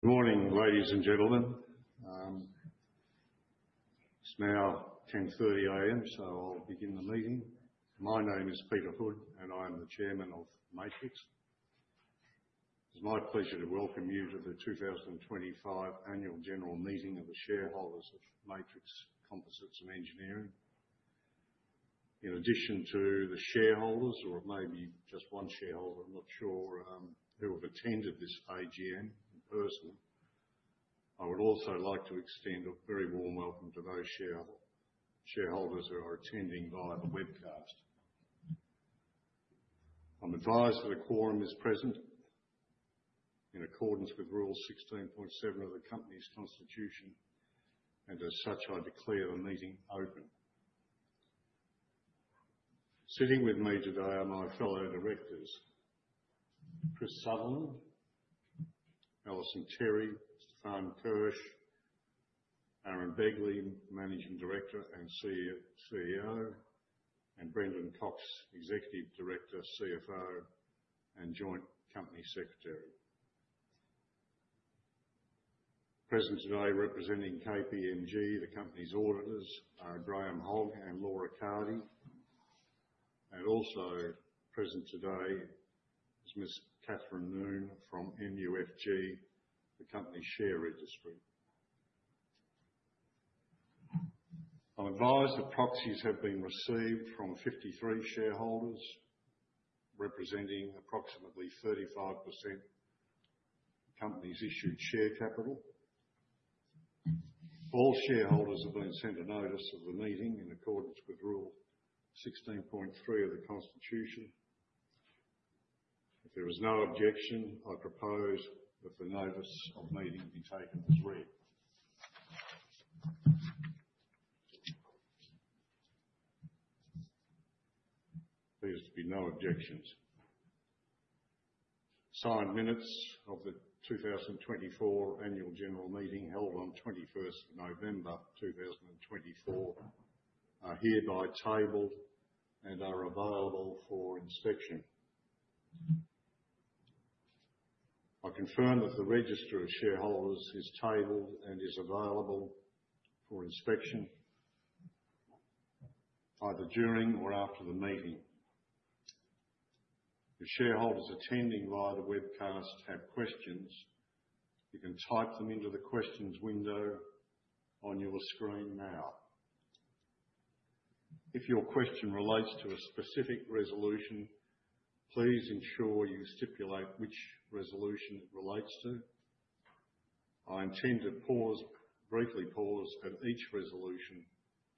Good morning, ladies and gentlemen. It's now 10:30 A.M., so I'll begin the meeting. My name is Peter Hood, and I am the Chairman of Matrix. It's my pleasure to welcome you to the 2025 Annual General Meeting of the shareholders of Matrix Composites & Engineering. In addition to the shareholders, or it may be just one shareholder, I'm not sure, who have attended this AGM in person, I would also like to extend a very warm welcome to those shareholders who are attending via the webcast. I'm advised that a quorum is present in accordance with Rule 16.7 of the company's constitution, and as such, I declare the meeting open. Sitting with me today are my fellow directors, Chris Sutherland, Alison Terry, Stephan Kirsch, Aaron Begley, Managing Director and CEO, and Brendan Cocks, Executive Director, CFO, and Joint Company Secretary. Present today representing KPMG, the company's auditors, are Graham Hogg and Laura Carty. Also present today is Ms. Catherine Noone from MUFG, the company share registry. I'm advised that proxies have been received from 53 shareholders, representing approximately 35% of the company's issued share capital. All shareholders have been sent a notice of the meeting in accordance with Rule 16.3 of the constitution. If there is no objection, I propose that the notice of meeting be taken as read. There appears to be no objections. Signed minutes of the 2024 Annual General Meeting held on 21st November 2024 are hereby tabled and are available for inspection. I confirm that the register of shareholders is tabled and is available for inspection either during or after the meeting. If shareholders attending via the webcast have questions, you can type them into the questions window on your screen now. If your question relates to a specific resolution, please ensure you stipulate which resolution it relates to. I intend to briefly pause at each resolution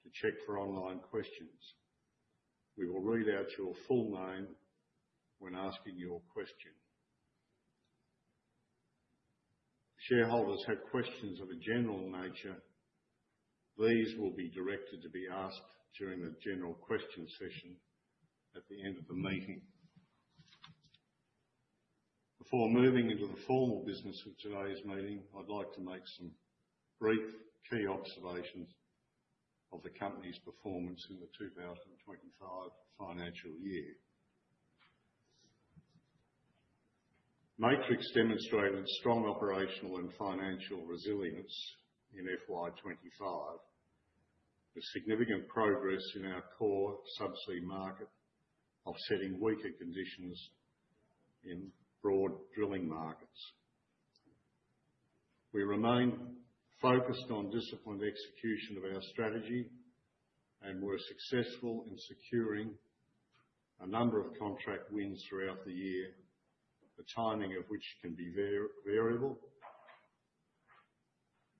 to check for online questions. We will read out your full name when asking your question. If shareholders have questions of a general nature, these will be directed to be asked during the general question session at the end of the meeting. Before moving into the formal business of today's meeting, I'd like to make some brief key observations of the company's performance in the 2025 financial year. Matrix demonstrated strong operational and financial resilience in FY 2025, with significant progress in our core Subsea market offsetting weaker conditions in broad drilling markets. We remain focused on disciplined execution of our strategy and were successful in securing a number of contract wins throughout the year, the timing of which can be variable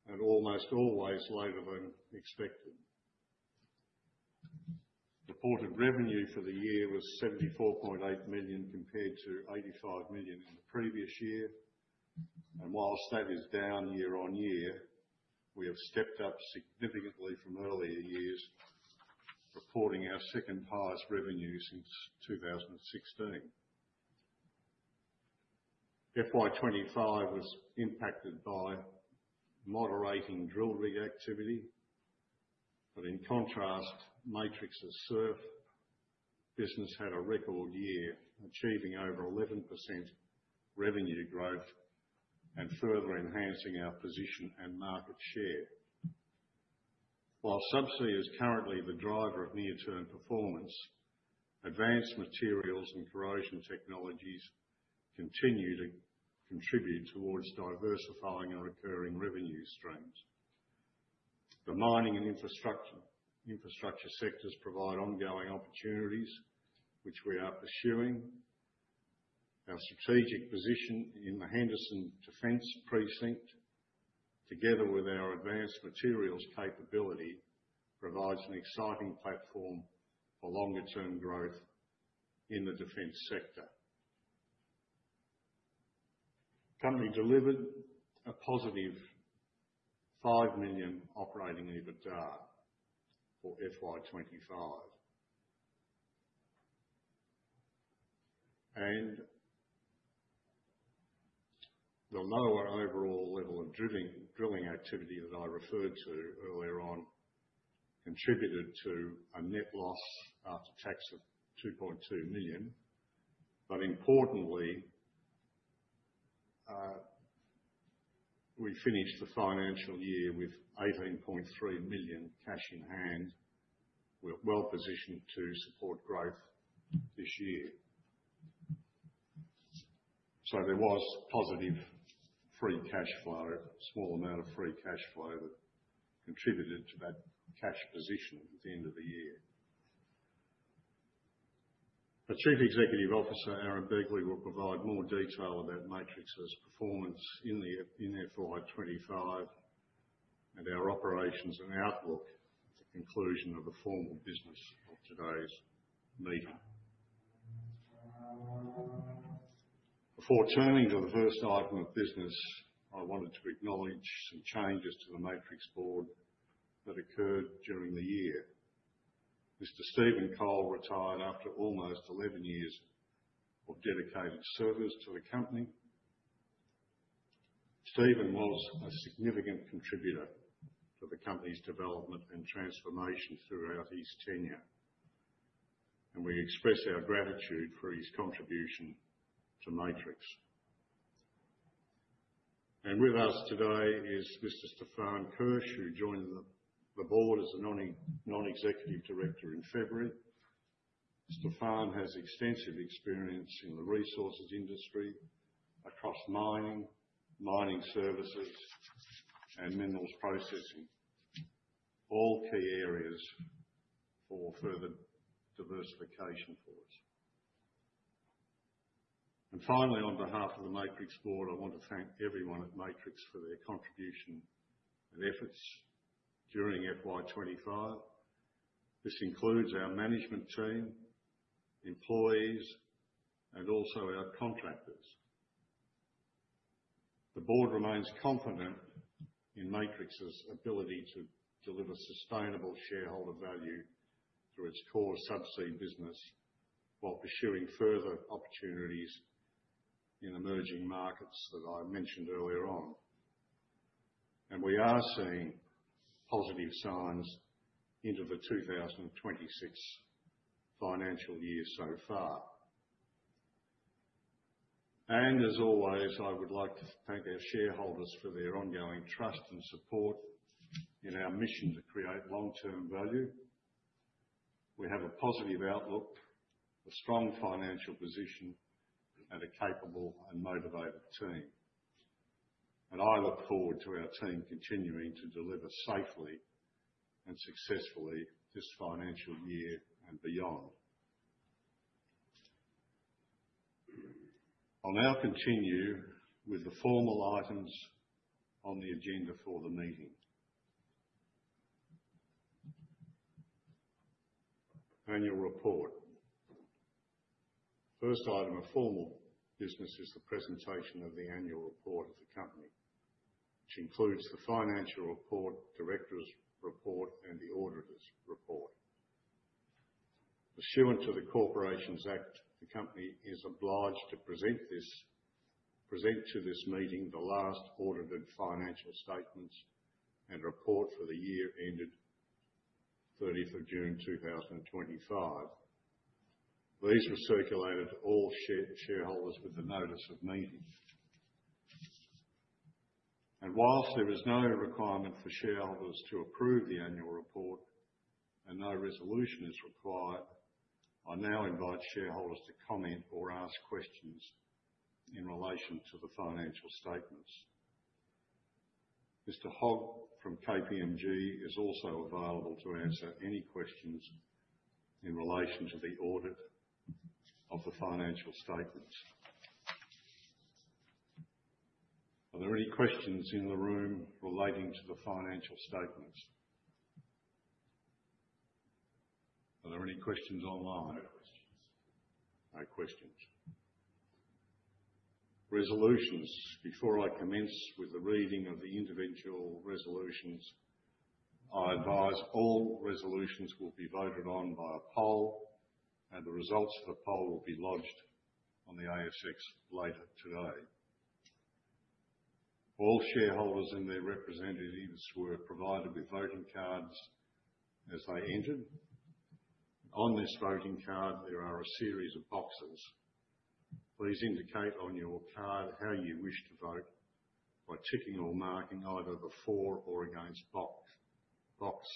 and almost always later than expected. Reported revenue for the year was 74.8 million, compared to 85 million in the previous year. Whilst that is down year-on-year, we have stepped up significantly from earlier years, reporting our second highest revenue since 2016. FY 2025 was impacted by moderating drilling activity, but in contrast, Matrix's SURF business had a record year, achieving over 11% revenue growth and further enhancing our position and market share. While Subsea is currently the driver of near-term performance, Advanced Materials and corrosion technologies continue to contribute towards diversifying our recurring revenue streams. The mining and infrastructure sectors provide ongoing opportunities, which we are pursuing. Our strategic position in the Henderson Defence Precinct, together with our Advanced Materials capability, provides an exciting platform for longer-term growth in the defence sector. The company delivered a positive 5 million operating EBITDA for FY 2025. The lower overall level of drilling activity that I referred to earlier contributed to a net loss after tax of 2.2 million. Importantly, we finished the financial year with 18.3 million cash in hand. We're well-positioned to support growth this year. There was positive free cash flow, a small amount of free cash flow that contributed to that cash position at the end of the year. Our Chief Executive Officer, Aaron Begley, will provide more detail about Matrix's performance in the FY 2025 and our operations and outlook at the conclusion of the formal business of today's meeting. Before turning to the first item of business, I wanted to acknowledge some changes to the Matrix Board that occurred during the year. Mr. Steven Cole retired after almost 11 years of dedicated service to the company. Steven was a significant contributor to the company's development and transformation throughout his tenure, and we express our gratitude for his contribution to Matrix. With us today is Mr. Stephan Kirsch, who joined the Board as a non-executive director in February. Stephan has extensive experience in the resources industry across mining services, and minerals processing, all key areas for further diversification for us. Finally, on behalf of the Matrix Board, I want to thank everyone at Matrix for their contribution and efforts during FY 2025. This includes our management team, employees, and also our contractors. The Board remains confident in Matrix's ability to deliver sustainable shareholder value through its core Subsea business while pursuing further opportunities in emerging markets that I mentioned earlier on. We are seeing positive signs into the 2026 financial year so far. As always, I would like to thank our shareholders for their ongoing trust and support in our mission to create long-term value. We have a positive outlook, a strong financial position, and a capable and motivated team. I look forward to our team continuing to deliver safely and successfully this financial year and beyond. I'll now continue with the formal items on the agenda for the meeting. Annual report. First item of formal business is the presentation of the annual report of the company, which includes the financial report, directors' report, and the auditors' report. Pursuant to the Corporations Act, the company is obliged to present to this meeting the last audited financial statements and report for the year ended 30th of June 2025. These were circulated to all shareholders with the notice of meeting. Whilst there is no requirement for shareholders to approve the annual report and no resolution is required, I now invite shareholders to comment or ask questions in relation to the financial statements. Mr. Hogg from KPMG is also available to answer any questions in relation to the audit of the financial statements. Are there any questions in the room relating to the financial statements? Are there any questions online? No questions. No questions. Resolutions. Before I commence with the reading of the individual resolutions, I advise all resolutions will be voted on by a poll, and the results of the poll will be lodged on the ASX later today. All shareholders and their representatives were provided with voting cards as they entered. On this voting card, there are a series of boxes. Please indicate on your card how you wish to vote by ticking or marking either the for or against box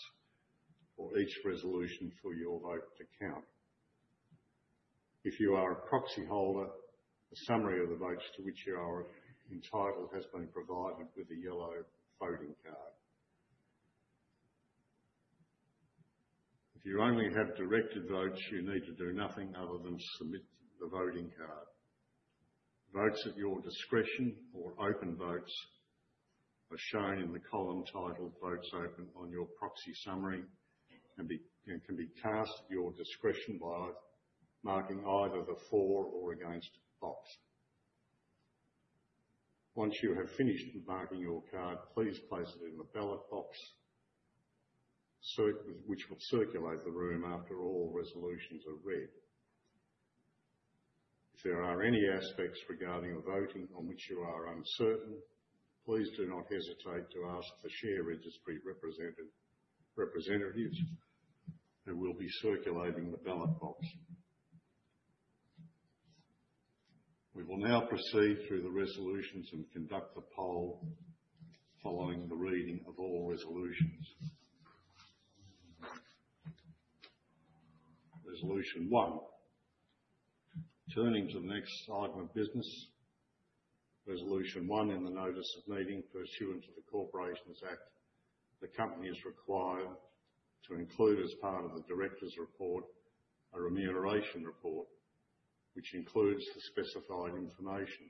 for each resolution for your vote to count. If you are a proxyholder, a summary of the votes to which you are entitled has been provided with a yellow voting card. If you only have directed votes, you need to do nothing other than submit the voting card. Votes at your discretion or open votes are shown in the column titled "Votes Open" on your proxy summary and can be cast at your discretion by marking either the for or against box. Once you have finished marking your card, please place it in the ballot box, which will circulate the room after all resolutions are read. If there are any aspects regarding the voting on which you are uncertain, please do not hesitate to ask the share registry representatives who will be circulating the ballot box. We will now proceed through the resolutions and conduct a poll following the reading of all resolutions. Resolution one. Turning to the next item of business, Resolution One in the notice of meeting pursuant to the Corporations Act, the company is required to include as part of the directors' report, a remuneration report, which includes the specified information.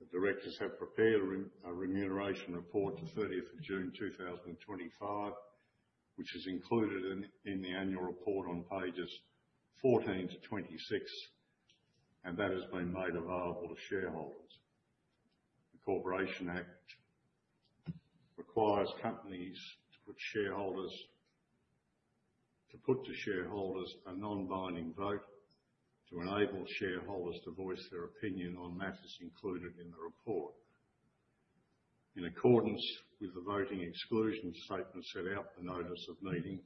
The directors have prepared a remuneration report to 30th of June 2025, which is included in the annual report on pages 14-26, and that has been made available to shareholders. The Corporations Act requires companies to put to shareholders a non-binding vote to enable shareholders to voice their opinion on matters included in the report. In accordance with the voting exclusion statement set out in the notice of meeting,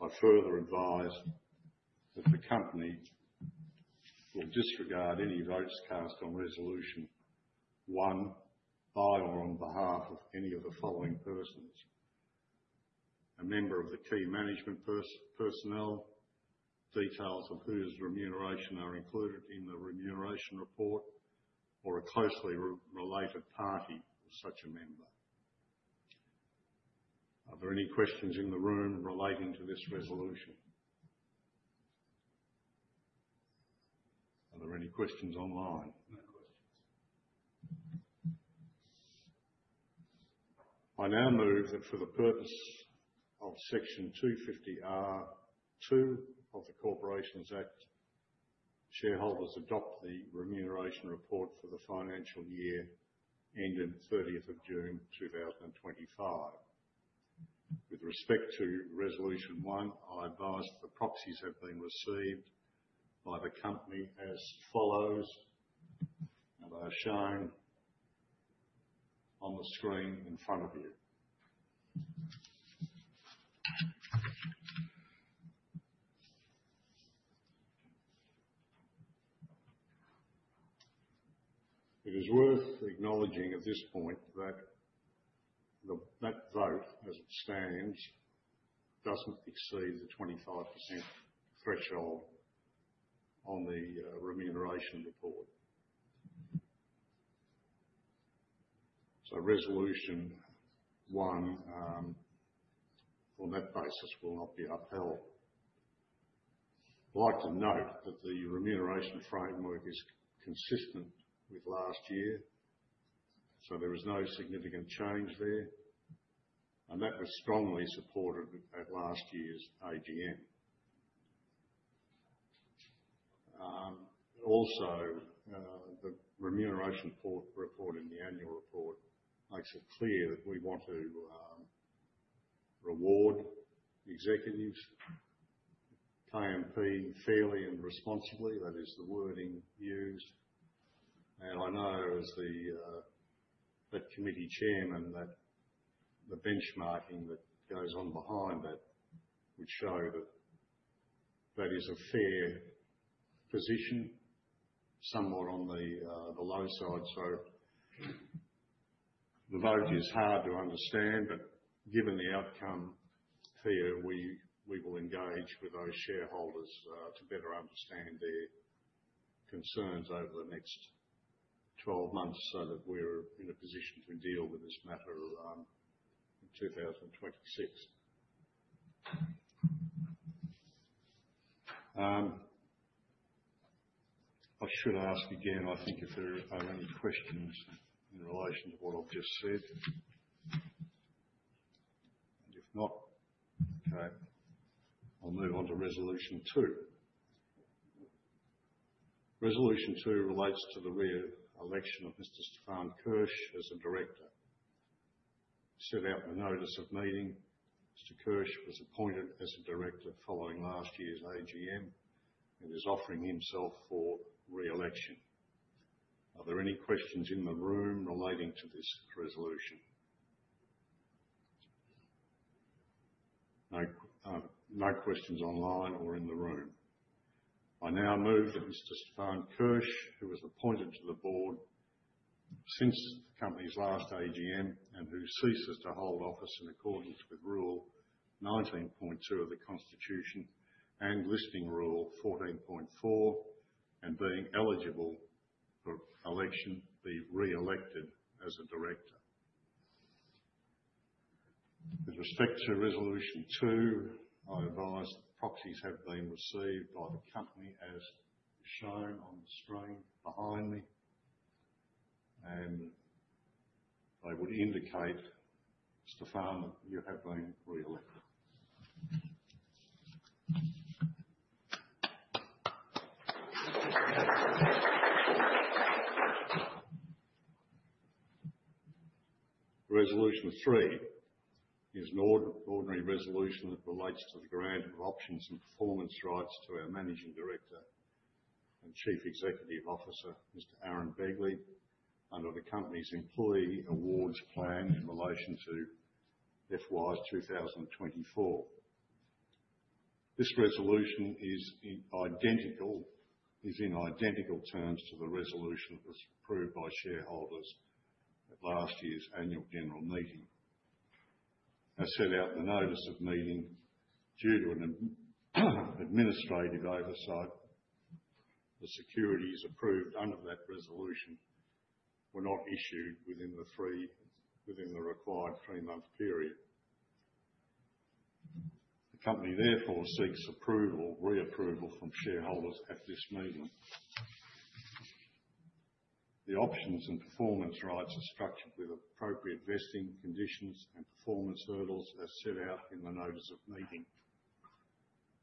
I further advise that the company will disregard any votes cast on Resolution One by or on behalf of any of the following persons, a member of the key management personnel, details of whose remuneration are included in the remuneration report, or a closely related party of such a member. Are there any questions in the room relating to this resolution? Are there any questions online? No questions. I now move that for the purpose of Section 250R(2) of the Corporations Act, shareholders adopt the remuneration report for the financial year ending 30th of June 2025. With respect to Resolution One, I advise that proxies have been received by the company as follows. They are shown on the screen in front of you. It is worth acknowledging at this point that vote, as it stands, doesn't exceed the 25% threshold on the remuneration report. Resolution One, on that basis, will not be upheld. I'd like to note that the remuneration framework is consistent with last year. There is no significant change there. That was strongly supported at last year's AGM. The remuneration report in the annual report makes it clear that we want to reward executives, KMP, fairly and responsibly. That is the wording used. I know as the committee chairman, that the benchmarking that goes on behind that would show that that is a fair position, somewhat on the low side. The vote is hard to understand, but given the outcome here, we will engage with those shareholders to better understand their concerns over the next 12 months so that we're in a position to deal with this matter in 2026. I should ask again, I think, if there are any questions in relation to what I've just said. If not, okay, I'll move on to Resolution Two. Resolution Two relates to the re-election of Mr. Stephan Kirsch as a director. Set out in the notice of meeting, Mr. Kirsch was appointed as a director following last year's AGM and is offering himself for re-election. Are there any questions in the room relating to this resolution? No questions online or in the room. I now move that Mr. Stephan Kirsch, who was appointed to the Board since the company's last AGM, and who ceases to hold office in accordance with Rule 19.2 of the Constitution and Listing Rule 14.4, and being eligible for election, be re-elected as a director. With respect to Resolution Two, I advise that proxies have been received by the company as shown on the screen behind me, and they would indicate, Stephan, that you have been re-elected. Resolution Three is an ordinary resolution that relates to the grant of options and performance rights to our Managing Director and Chief Executive Officer, Mr. Aaron Begley, under the company's employee awards plan in relation to FY 2024. This resolution is in identical terms to the resolution that was approved by shareholders at last year's Annual General Meeting. As set out in the notice of meeting, due to an administrative oversight, the securities approved under that resolution were not issued within the required three-month period. The company therefore seeks reapproval from shareholders at this meeting. The options and performance rights are structured with appropriate vesting conditions and performance hurdles as set out in the notice of meeting.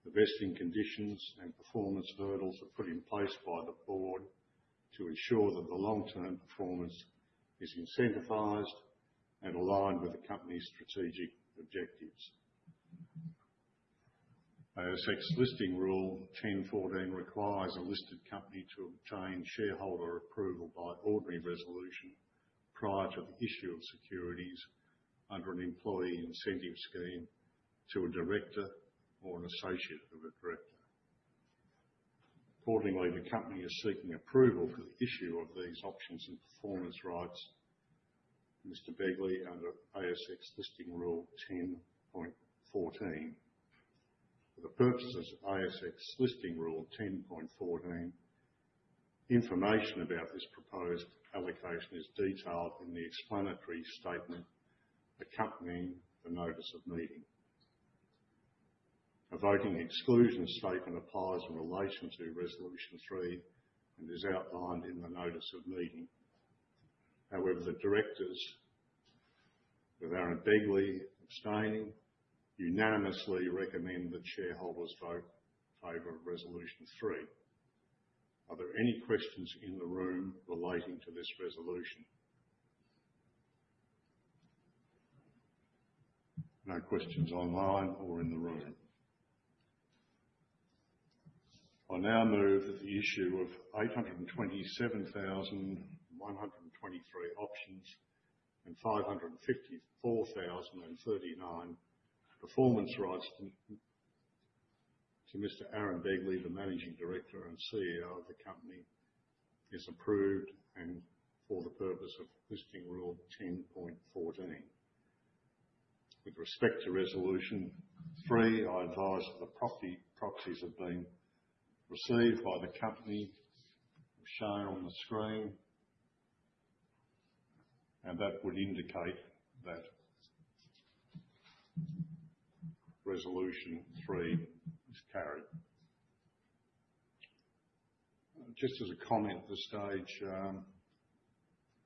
The vesting conditions and performance hurdles are put in place by the Board to ensure that the long-term performance is incentivized and aligned with the company's strategic objectives. ASX Listing Rule 10.14 requires a listed company to obtain shareholder approval by ordinary resolution prior to the issue of securities under an employee incentive scheme to a director or an associate of a director. Accordingly, the company is seeking approval for the issue of these options and performance rights to Mr. Begley under ASX Listing Rule 10.14. For the purposes of ASX Listing Rule 10.14, information about this proposed allocation is detailed in the explanatory statement accompanying the notice of meeting. A voting exclusion statement applies in relation to Resolution Three and is outlined in the notice of meeting. The directors, with Aaron Begley abstaining, unanimously recommend that shareholders vote in favor of Resolution Three. Are there any questions in the room relating to this resolution? No questions online or in the room. I now move that the issue of 827,123 options and 554,039 performance rights to Mr. Aaron Begley, the Managing Director and CEO of the company, is approved and for the purpose of Listing Rule 10.14. With respect to Resolution Three, I advise that the proxies have been received by the company, as shown on the screen, and that would indicate that Resolution Three is carried. Just as a comment at this stage,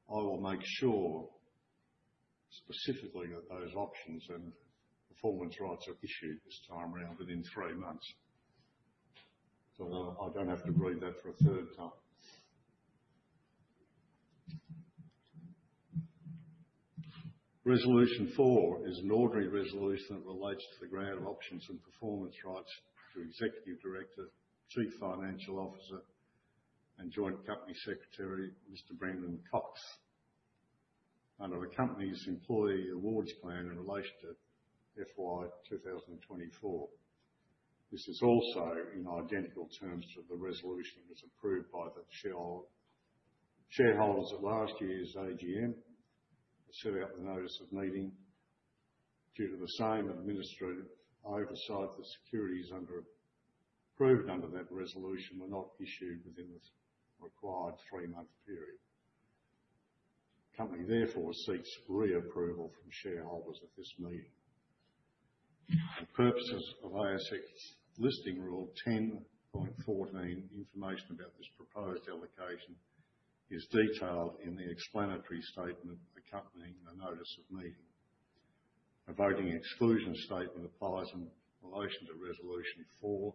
I will make sure specifically that those options and performance rights are issued this time around within three months, so that I don't have to read that for a third time. Resolution Four is an ordinary resolution that relates to the grant of options and performance rights to Executive Director, Chief Financial Officer, and Joint Company Secretary, Mr. Brendan Cocks, under the company's employee awards plan in relation to FY 2024. This is also in identical terms to the resolution that was approved by the shareholders at last year's AGM. As set out in the notice of meeting, due to the same administrative oversight, the securities approved under that resolution were not issued within the required three-month period. The company therefore seeks reapproval from shareholders at this meeting. For purposes of ASX Listing Rule 10.14, information about this proposed allocation is detailed in the explanatory statement accompanying the notice of meeting. A voting exclusion statement applies in relation to Resolution Four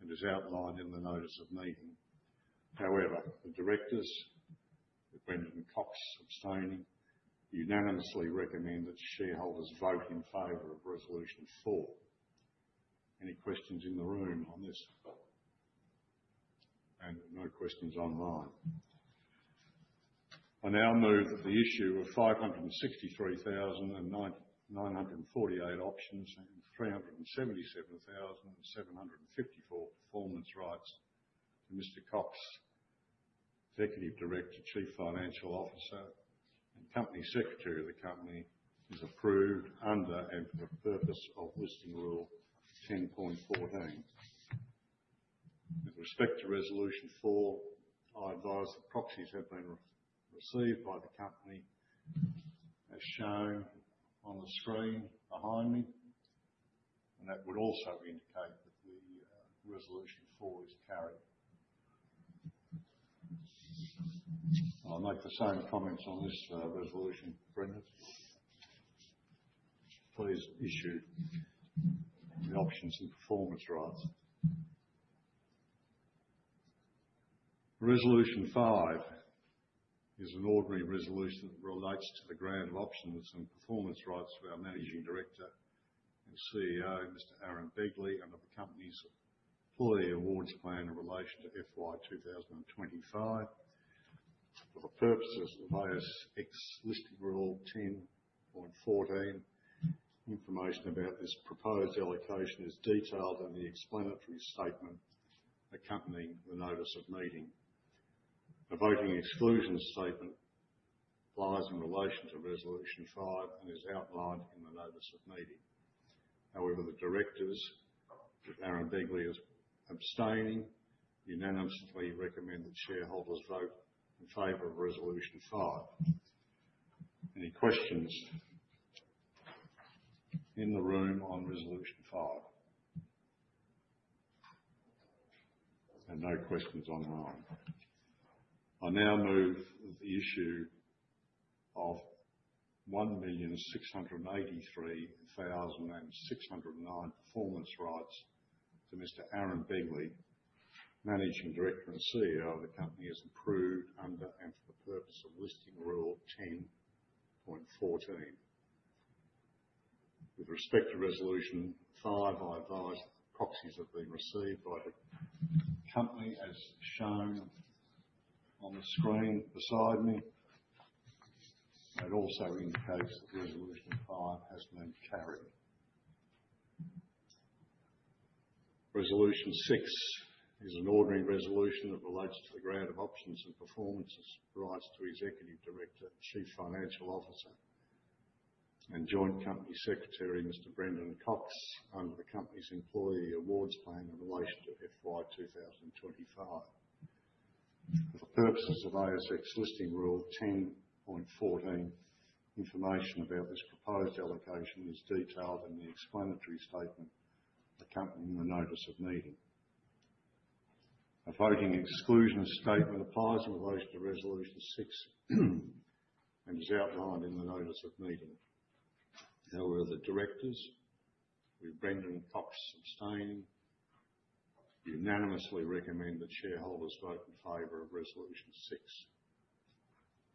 and is outlined in the notice of meeting. However, the directors, with Brendan Cocks abstaining, unanimously recommend that shareholders vote in favor of Resolution Four. Any questions in the room on this? No questions online. I now move that the issue of 563,948 options and 377,754 performance rights to Mr. Cocks, Executive Director, Chief Financial Officer, and Company Secretary of the company, is approved under and for the purpose of Listing Rule 10.14. With respect to Resolution Four, I advise that proxies have been received by the company as shown on the screen behind me, and that would also indicate that Resolution Four is carried. I will make the same comments on this resolution for Brendan. Please issue the options and performance rights. Resolution Five is an ordinary resolution that relates to the grant of options and performance rights to our Managing Director and CEO, Mr. Aaron Begley, under the company's employee awards plan in relation to FY 2025. For the purposes of ASX Listing Rule 10.14, information about this proposed allocation is detailed in the explanatory statement accompanying the notice of meeting. A voting exclusion statement applies in relation to Resolution Five and is outlined in the notice of meeting. However, the directors, with Aaron Begley as abstaining, unanimously recommend that shareholders vote in favor of Resolution Five. Any questions in the room on Resolution Five? No questions online. I now move that the issue of 1,683,609 performance rights to Mr. Aaron Begley, Managing Director and CEO of the company, is approved under and for the purpose of Listing Rule 10.14. With respect to Resolution Five, I advise that proxies have been received by the company as shown on the screen beside me. It also indicates that Resolution Five has been carried. Resolution Six is an ordinary resolution that relates to the grant of options and performance rights to Executive Director, Chief Financial Officer, and Joint Company Secretary, Mr. Brendan Cocks, under the company's employee awards plan in relation to FY 2025. For the purposes of ASX Listing Rule 10.14, information about this proposed allocation is detailed in the explanatory statement accompanying the notice of meeting. A voting exclusion statement applies in relation to Resolution Six and is outlined in the notice of meeting. However, the directors, with Brendan Cocks abstaining, unanimously recommend that shareholders vote in favor of Resolution Six.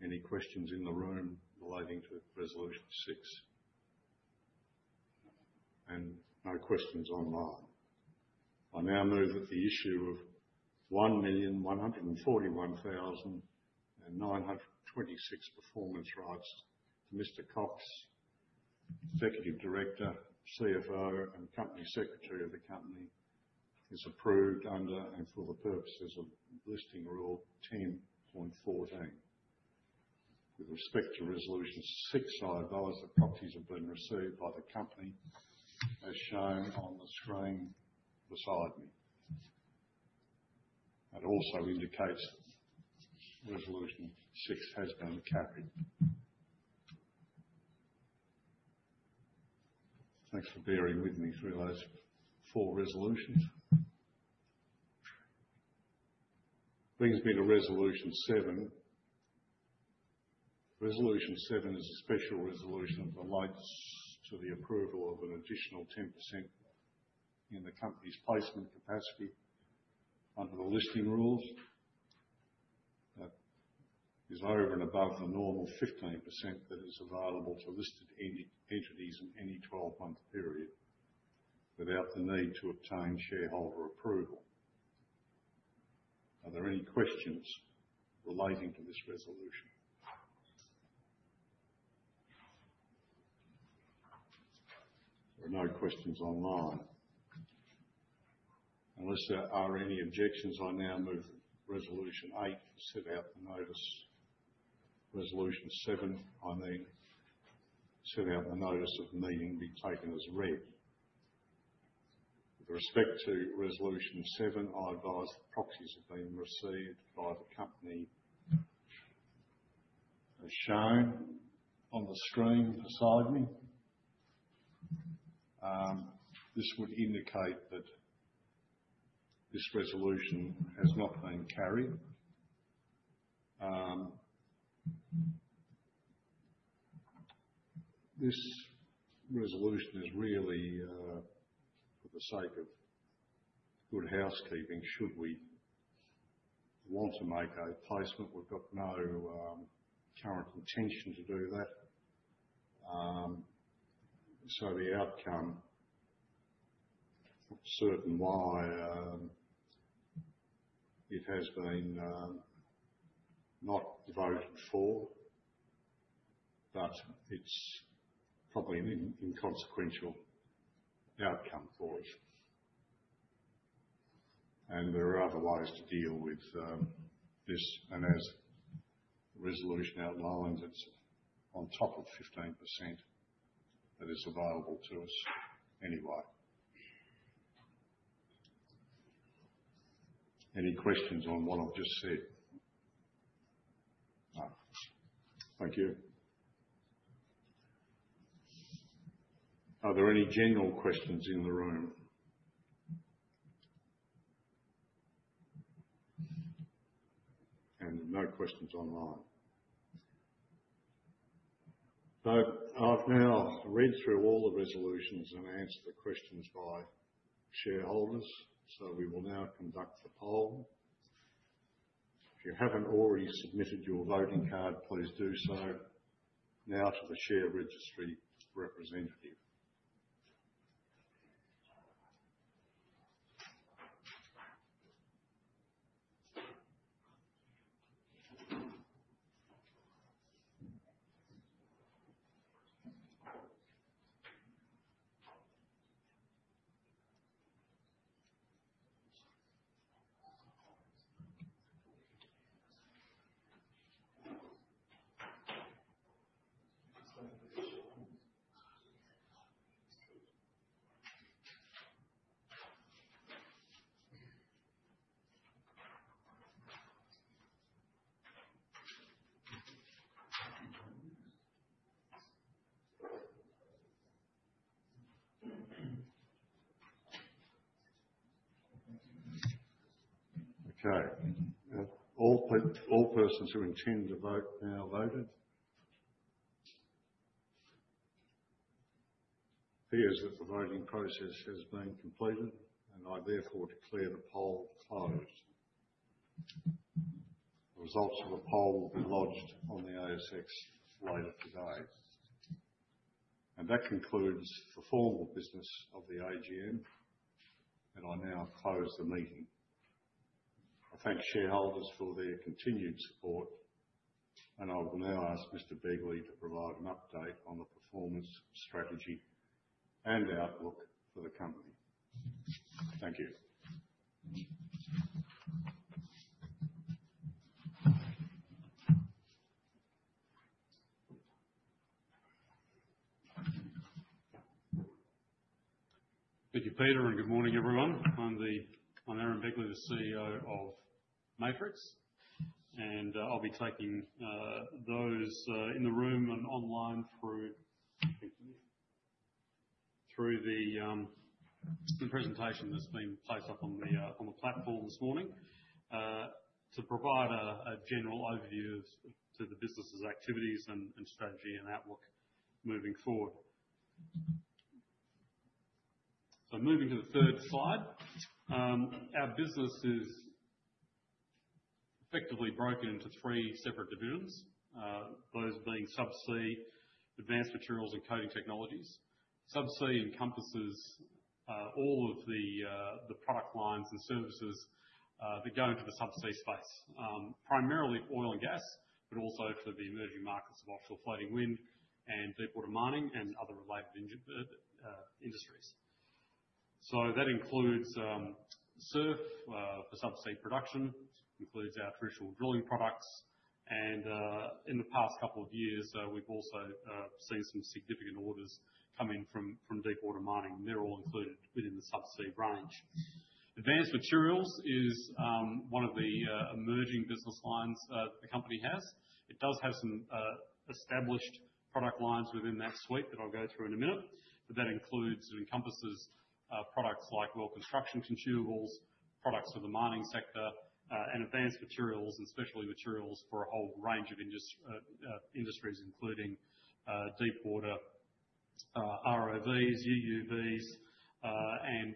Any questions in the room relating to Resolution Six? No questions online. I now move that the issue of 1,141,926 performance rights to Mr. Cocks, Executive Director, CFO, and Company Secretary of the company, is approved under and for the purposes of Listing Rule 10.14. With respect to Resolution Six, I advise that proxies have been received by the company as shown on the screen beside me. It also indicates Resolution Six has been carried. Thanks for bearing with me through those four resolutions. Bringing me to Resolution Seven. Resolution Seven is a special resolution that relates to the approval of an additional 10% in the company's placement capacity under the Listing Rules. That is over and above the normal 15% that is available to listed entities in any 12-month period without the need to obtain shareholder approval. Are there any questions relating to this resolution? There are no questions online. Unless there are any objections, I now move Resolution Eight, set out in the Notice Resolution Seven, I mean, set out in the Notice of Meeting be taken as read. With respect to Resolution Seven, I advise that proxies have been received by the company as shown on the screen beside me. This would indicate that this resolution has not been carried. This resolution is really for the sake of good housekeeping should we want to make a placement. We've got no current intention to do that. The outcome, I'm not certain why it has been not voted for, but it's probably an inconsequential outcome for us. There are other ways to deal with this, and as the resolution outlines, it's on top of 15% that is available to us anyway. Any questions on what I've just said? No. Thank you. Are there any general questions in the room? No questions online. I've now read through all the resolutions and answered the questions by shareholders. We will now conduct the poll. If you haven't already submitted your voting card, please do so now to the share registry representative. Okay. Have all persons who intend to vote now voted? It appears that the voting process has been completed, and I therefore declare the poll closed. The results of the poll will be lodged on the ASX later today. That concludes the formal business of the AGM, and I now close the meeting. I thank shareholders for their continued support, and I will now ask Mr. Begley to provide an update on the performance, strategy, and outlook for the company. Thank you. Thank you, Peter, and good morning, everyone. I'm Aaron Begley, the CEO of Matrix, and I'll be taking those in the room and online through the presentation that's been placed up on the platform this morning, to provide a general overview to the business' activities and strategy and outlook moving forward. Moving to the third slide. Our business is effectively broken into three separate divisions, those being Subsea, Advanced Materials, and Coating Technologies. Subsea encompasses all of the product lines and services that go into the Subsea space, primarily oil and gas, but also for the emerging markets of offshore floating wind and deepwater mining and other related industries. That includes SURF for Subsea production, includes our traditional drilling products, and in the past couple of years, we've also seen some significant orders coming from deepwater mining. They're all included within the Subsea range. Advanced Materials is one of the emerging business lines the company has. It does have some established product lines within that suite that I'll go through in a minute. That includes and encompasses products like well construction consumables, products for the mining sector, and advanced materials and specialty materials for a whole range of industries, including deepwater ROVs, UUVs,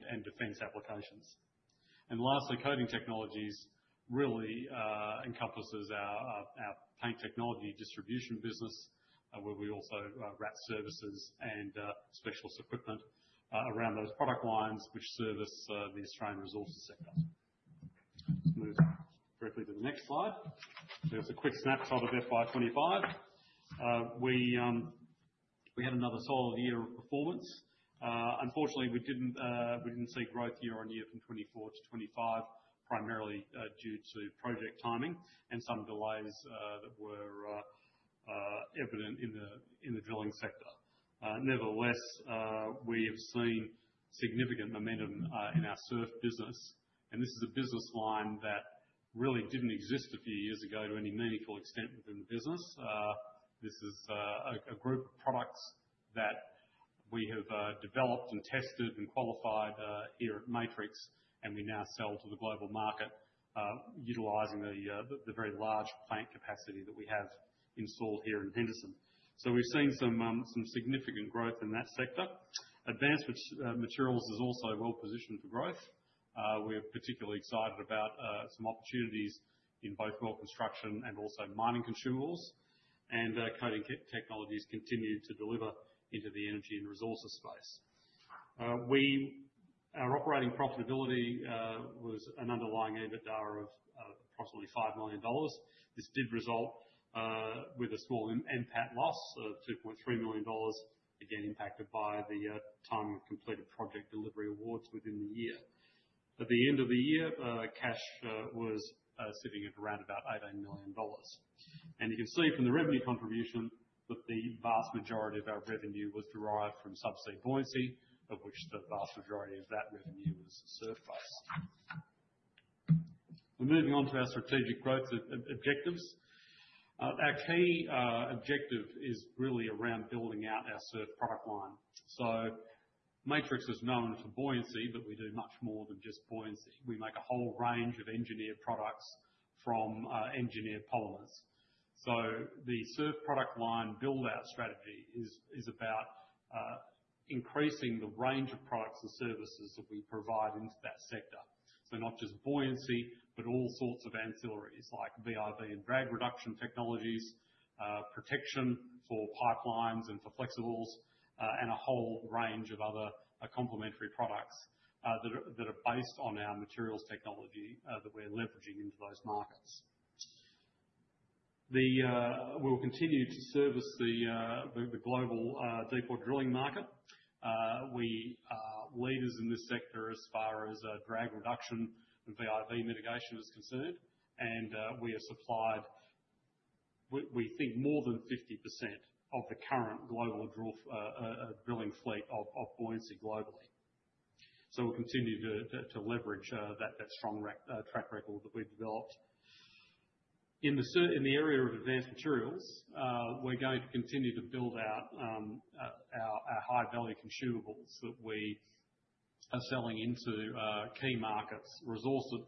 and defence applications. Lastly, Coating Technologies really encompasses our paint technology distribution business, where we also wrap services and specialist equipment around those product lines which service the Australian resources sector. Let's move directly to the next slide. There's a quick snapshot of FY 2025. We had another solid year of performance. Unfortunately, we didn't see growth year-on-year from 2024 to 2025, primarily due to project timing and some delays that were evident in the drilling sector. Nevertheless, we have seen significant momentum in our SURF business, and this is a business line that really didn't exist a few years ago to any meaningful extent within the business. This is a group of products that we have developed and tested and qualified here at Matrix, and we now sell to the global market, utilizing the very large plant capacity that we have installed here in Henderson. We've seen some significant growth in that sector. Advanced Materials is also well-positioned for growth. We're particularly excited about some opportunities in both well construction and also mining consumables, and Coating Technologies continue to deliver into the energy and resources space. Our operating profitability was an underlying EBITDA of approximately 5 million dollars. This did result with a small NPAT loss of 2.3 million dollars, again impacted by the timing of completed project delivery awards within the year. At the end of the year, cash was sitting at around about 18 million dollars. You can see from the revenue contribution that the vast majority of our revenue was derived from Subsea buoyancy, of which the vast majority of that revenue was SURF-based. We're moving on to our strategic growth objectives. Our key objective is really around building out our SURF product line. Matrix is known for buoyancy, but we do much more than just buoyancy. We make a whole range of engineered products from engineered polymers. The SURF product line build-out strategy is about increasing the range of products and services that we provide into that sector. Not just buoyancy, but all sorts of ancillaries like VIV and drag reduction technologies, protection for pipelines and for flexibles, and a whole range of other complementary products that are based on our materials technology that we're leveraging into those markets. We will continue to service the global deepwater drilling market. We are leaders in this sector as far as drag reduction and VIV mitigation is concerned, and we have supplied, we think, more than 50% of the current global drilling fleet of buoyancy globally. We'll continue to leverage that strong track record that we've developed. In the area of Advanced Materials, we're going to continue to build out our high-value consumables that we are selling into key markets,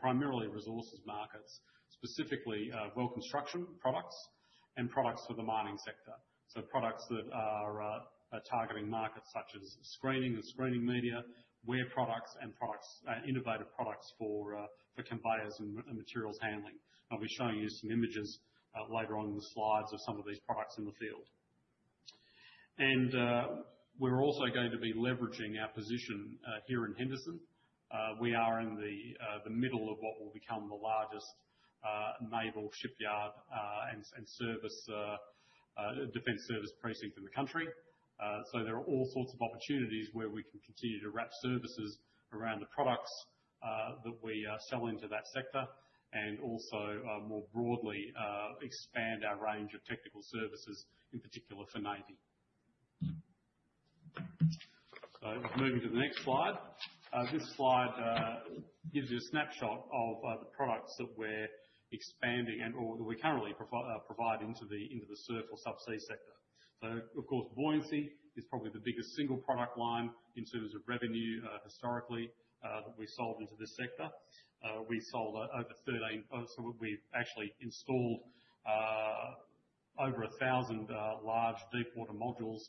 primarily resources markets, specifically well construction products and products for the mining sector. Products that are targeting markets such as screening and screening media, wear products, and innovative products for conveyors and materials handling. I'll be showing you some images later on in the slides of some of these products in the field. We're also going to be leveraging our position here in Henderson. We are in the middle of what will become the largest naval shipyard and defence service precinct in the country. There are all sorts of opportunities where we can continue to wrap services around the products that we sell into that sector and also, more broadly, expand our range of technical services, in particular for Navy. Moving to the next slide. This slide gives you a snapshot of the products that we're expanding and/or that we currently provide into the SURF or Subsea sector. Of course, buoyancy is probably the biggest single product line in terms of revenue historically that we sold into this sector. We've actually installed over 1,000 large deepwater modules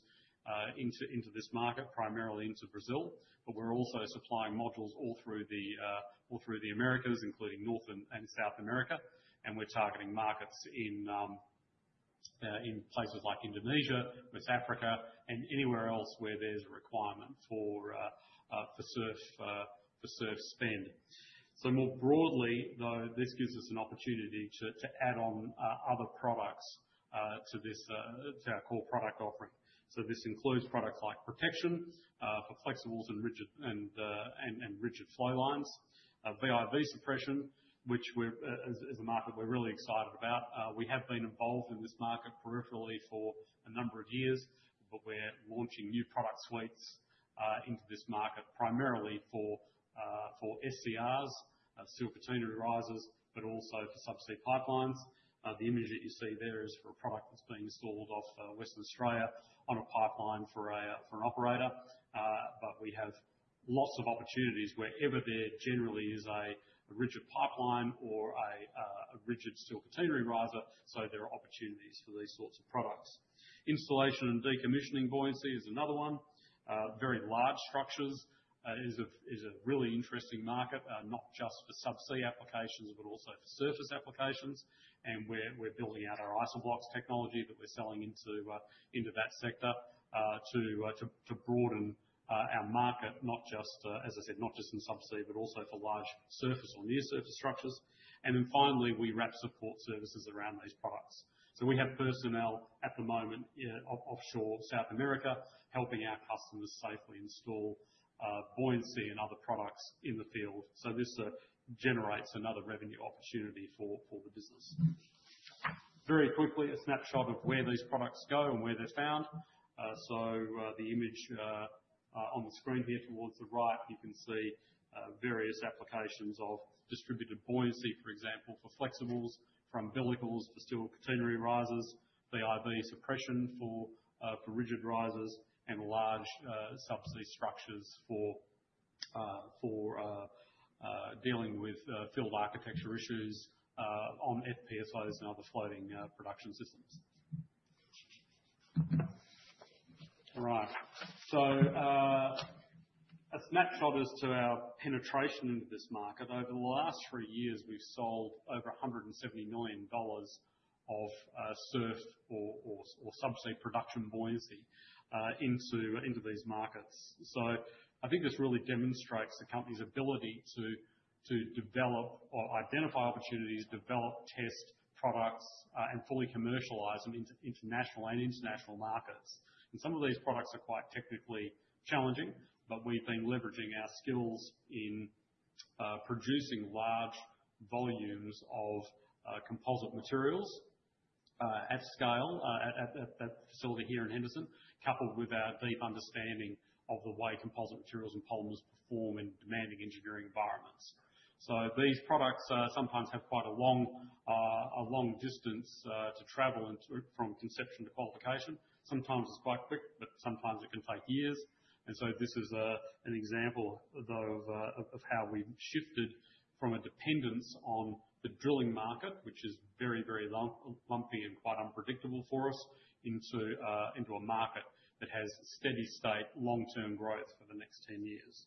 into this market, primarily into Brazil. We're also supplying modules all through the Americas, including North and South America, and we're targeting markets in places like Indonesia, West Africa, and anywhere else where there's a requirement for SURF spend. More broadly, though, this gives us an opportunity to add on other products to our core product offering. This includes products like protection for flexibles and rigid flow lines, VIV suppression, which is a market we're really excited about. We have been involved in this market peripherally for a number of years, but we're launching new product suites into this market, primarily for SCRs, steel catenary risers, but also for subsea pipelines. The image that you see there is for a product that's being installed off Western Australia on a pipeline for an operator. We have lots of opportunities wherever there generally is a rigid pipeline or a rigid steel catenary riser. There are opportunities for these sorts of products. Installation and decommissioning buoyancy is another one. Very large structures is a really interesting market, not just for subsea applications, but also for surface applications. We're building out our IsoBlox technology that we're selling into that sector to broaden our market, as I said, not just in subsea, but also for large surface or near-surface structures. Finally, we wrap support services around these products. We have personnel at the moment offshore South America helping our customers safely install buoyancy and other products in the field. This generates another revenue opportunity for the business. Very quickly, a snapshot of where these products go and where they're found. The image on the screen here towards the right, you can see various applications of distributed buoyancy, for example, for flexibles, for umbilicals, for steel catenary risers, VIV suppression for rigid risers, and large subsea structures for dealing with field architecture issues on FPSOs and other floating production systems. All right. A snapshot as to our penetration into this market. Over the last three years, we've sold over 170 million dollars of SURF or Subsea production buoyancy into these markets. I think this really demonstrates the company's ability to develop or identify opportunities, develop test products, and fully commercialize them into national and international markets. Some of these products are quite technically challenging, but we've been leveraging our skills in producing large volumes of composite materials at scale, at that facility here in Henderson, coupled with our deep understanding of the way composite materials and polymers perform in demanding engineering environments. These products sometimes have quite a long distance to travel from conception to qualification. Sometimes it's quite quick, but sometimes it can take years. This is an example, though, of how we've shifted from a dependence on the drilling market, which is very, very lumpy and quite unpredictable for us, into a market that has steady state long-term growth for the next 10 years.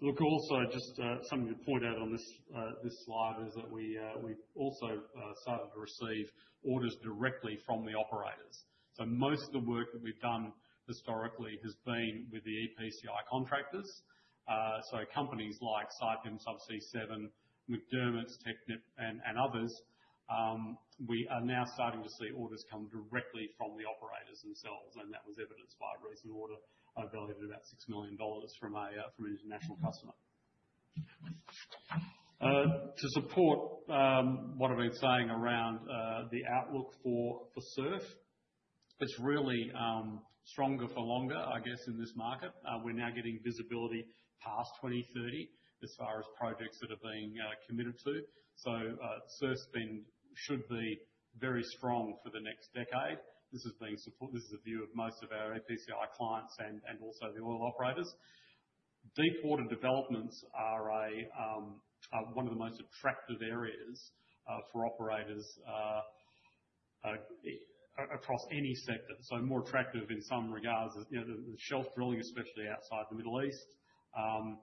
Look, also, just something to point out on this slide is that we've also started to receive orders directly from the operators. Most of the work that we've done historically has been with the EPCI contractors. Companies like Saipem, Subsea 7, McDermott, Technip, and others, we are now starting to see orders come directly from the operators themselves, and that was evidenced by a recent order of value at about 6 million dollars from an international customer. To support what I've been saying around the outlook for SURF, it's really stronger for longer, I guess, in this market. We're now getting visibility past 2030 as far as projects that are being committed to. SURF should be very strong for the next decade. This is the view of most of our EPCI clients and also the oil operators. Deep water developments are one of the most attractive areas for operators across any sector. More attractive in some regards is the shelf drilling, especially outside the Middle East. The economics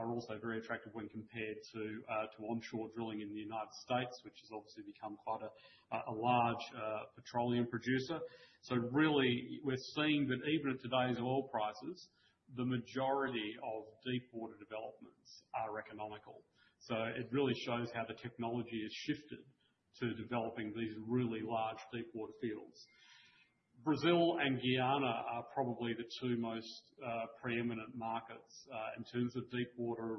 are also very attractive when compared to onshore drilling in the United States, which has obviously become quite a large petroleum producer. Really, we're seeing that even at today's oil prices, the majority of deep water developments are economical. It really shows how the technology has shifted to developing these really large deep water fields. Brazil and Guyana are probably the two most preeminent markets in terms of deep water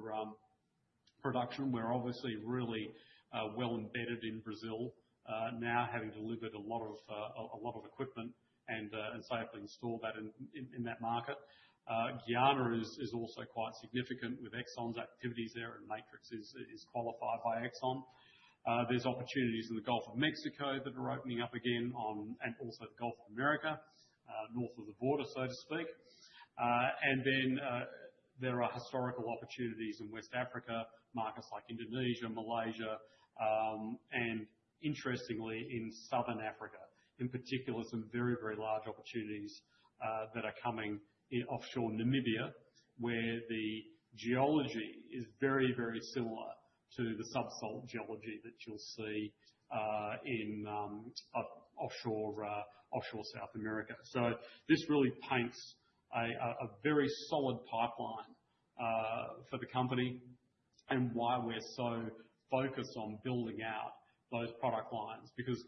production. We're obviously really well embedded in Brazil now, having delivered a lot of equipment and safely installed that in that market. Guyana is also quite significant with Exxon's activities there, and Matrix is qualified by Exxon. There's opportunities in the Gulf of Mexico that are opening up again, and also the Gulf of America, north of the border, so to speak. There are historical opportunities in West Africa, markets like Indonesia, Malaysia, and interestingly, in Southern Africa. In particular, some very, very large opportunities that are coming in offshore Namibia, where the geology is very, very similar to the sub-salt geology that you'll see in offshore South America. This really paints a very solid pipeline for the company and why we're so focused on building out those product lines because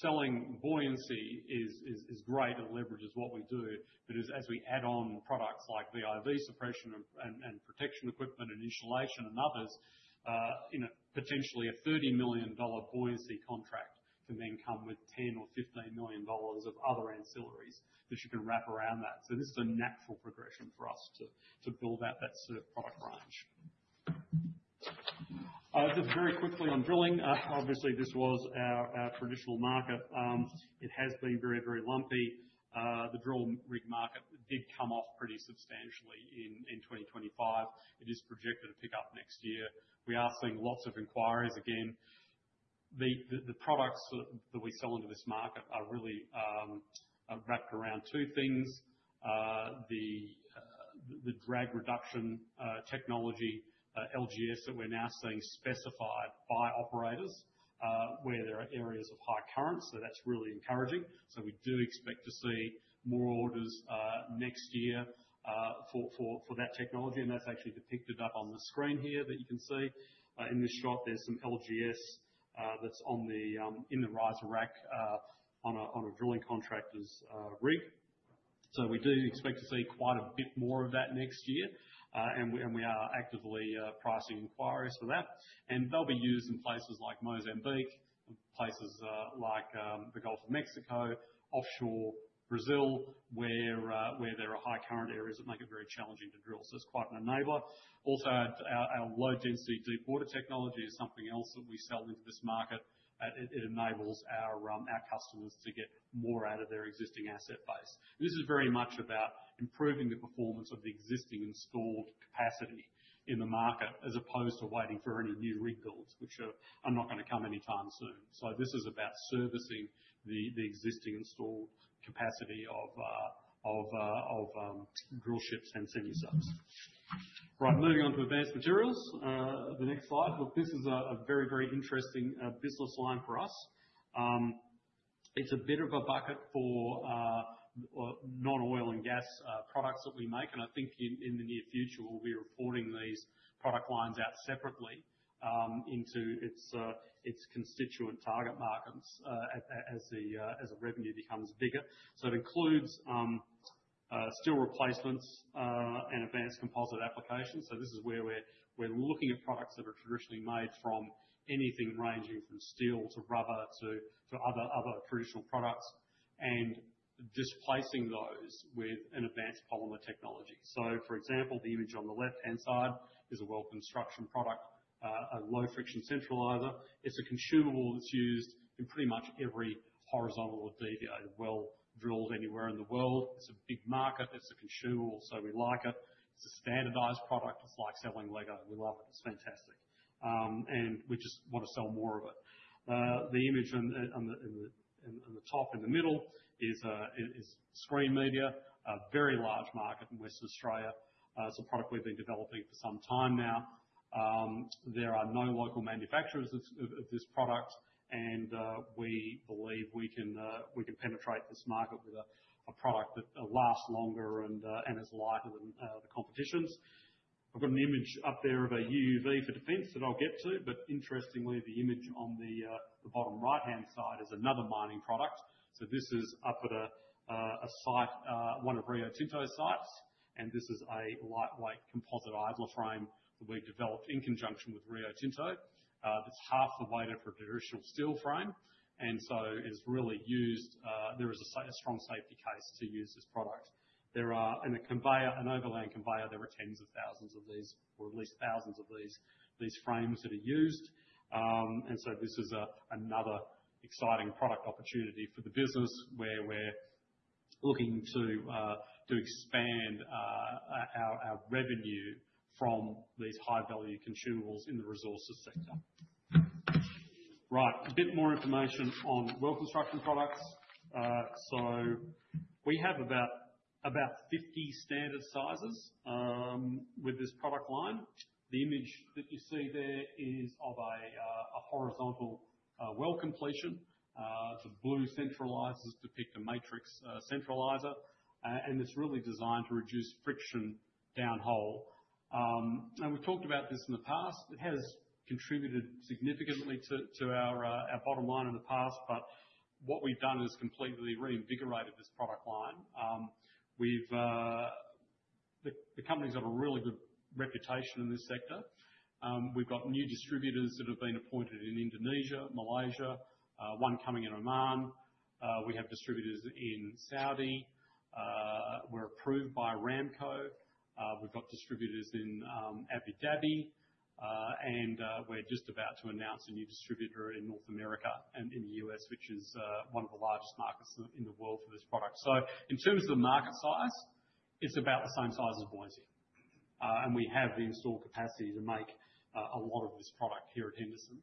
selling buoyancy is great. It leverages what we do. As we add on products like the VIV suppression and protection equipment and insulation and others, potentially an 30 million dollar buoyancy contract can then come with 10 million or 15 million dollars of other ancillaries that you can wrap around that. This is a natural progression for us to build out that SURF product range. Just very quickly on drilling, obviously this was our traditional market. It has been very, very lumpy. The drill rig market did come off pretty substantially in 2025. It is projected to pick up next year. We are seeing lots of inquiries again. The products that we sell into this market are really wrapped around two things. The drag reduction technology, LGS, that we're now seeing specified by operators, where there are areas of high current. That's really encouraging. We do expect to see more orders next year for that technology, and that's actually depicted up on the screen here that you can see. In this shot, there's some LGS that's in the riser rack on a drilling contractor's rig. We do expect to see quite a bit more of that next year, and we are actively pricing inquiries for that, and they'll be used in places like Mozambique, places like the Gulf of Mexico, offshore Brazil, where there are high current areas that make it very challenging to drill. It's quite an enabler. Also, our low-density deep water technology is something else that we sell into this market. It enables our customers to get more out of their existing asset base. This is very much about improving the performance of the existing installed capacity in the market as opposed to waiting for any new rig builds, which are not going to come anytime soon. This is about servicing the existing installed capacity of drill ships and semi subs. Right. Moving on to Advanced Materials. The next slide. This is a very, very interesting business line for us. It's a bit of a bucket for non-oil and gas products that we make. I think in the near future, we'll be reporting these product lines out separately into its constituent target markets as the revenue becomes bigger. It includes steel replacements and advanced composite applications. This is where we're looking at products that are traditionally made from anything ranging from steel to rubber to other traditional products, and displacing those with an advanced polymer technology. For example, the image on the left-hand side is a well construction product, a low friction centralizer. It's a consumable that's used in pretty much every horizontal or deviated well drilled anywhere in the world. It's a big market. It's a consumable, so we like it. It's a standardized product. It's like selling Lego. We love it. It's fantastic. We just want to sell more of it. The image on the top in the middle is screen media, a very large market in West Australia. It's a product we've been developing for some time now. There are no local manufacturers of this product, and we believe we can penetrate this market with a product that lasts longer and is lighter than the competition's. I've got an image up there of a UUV for defence that I'll get to, but interestingly, the image on the bottom right-hand side is another mining product. This is up at one of Rio Tinto's sites, and this is a lightweight composite idler frame that we developed in conjunction with Rio Tinto. It's half the weight of a traditional steel frame, there is a strong safety case to use this product. In an overland conveyor, there are tens of thousands of these, or at least thousands of these frames that are used. This is another exciting product opportunity for the business where we're looking to expand our revenue from these high-value consumables in the resources sector. Right. A bit more information on well construction products. We have about 50 standard sizes with this product line. The image that you see there is of a horizontal well completion. The blue centralizers depict a Matrix centralizer, and it's really designed to reduce friction down hole. We've talked about this in the past. It has contributed significantly to our bottom line in the past, but what we've done is completely reinvigorated this product line. The company's got a really good reputation in this sector. We've got new distributors that have been appointed in Indonesia, Malaysia, one coming in Oman. We have distributors in Saudi. We're approved by Aramco. We've got distributors in Abu Dhabi. We're just about to announce a new distributor in North America and in the U.S., which is one of the largest markets in the world for this product. In terms of the market size, it's about the same size as buoyancy. We have the install capacity to make a lot of this product here at Henderson.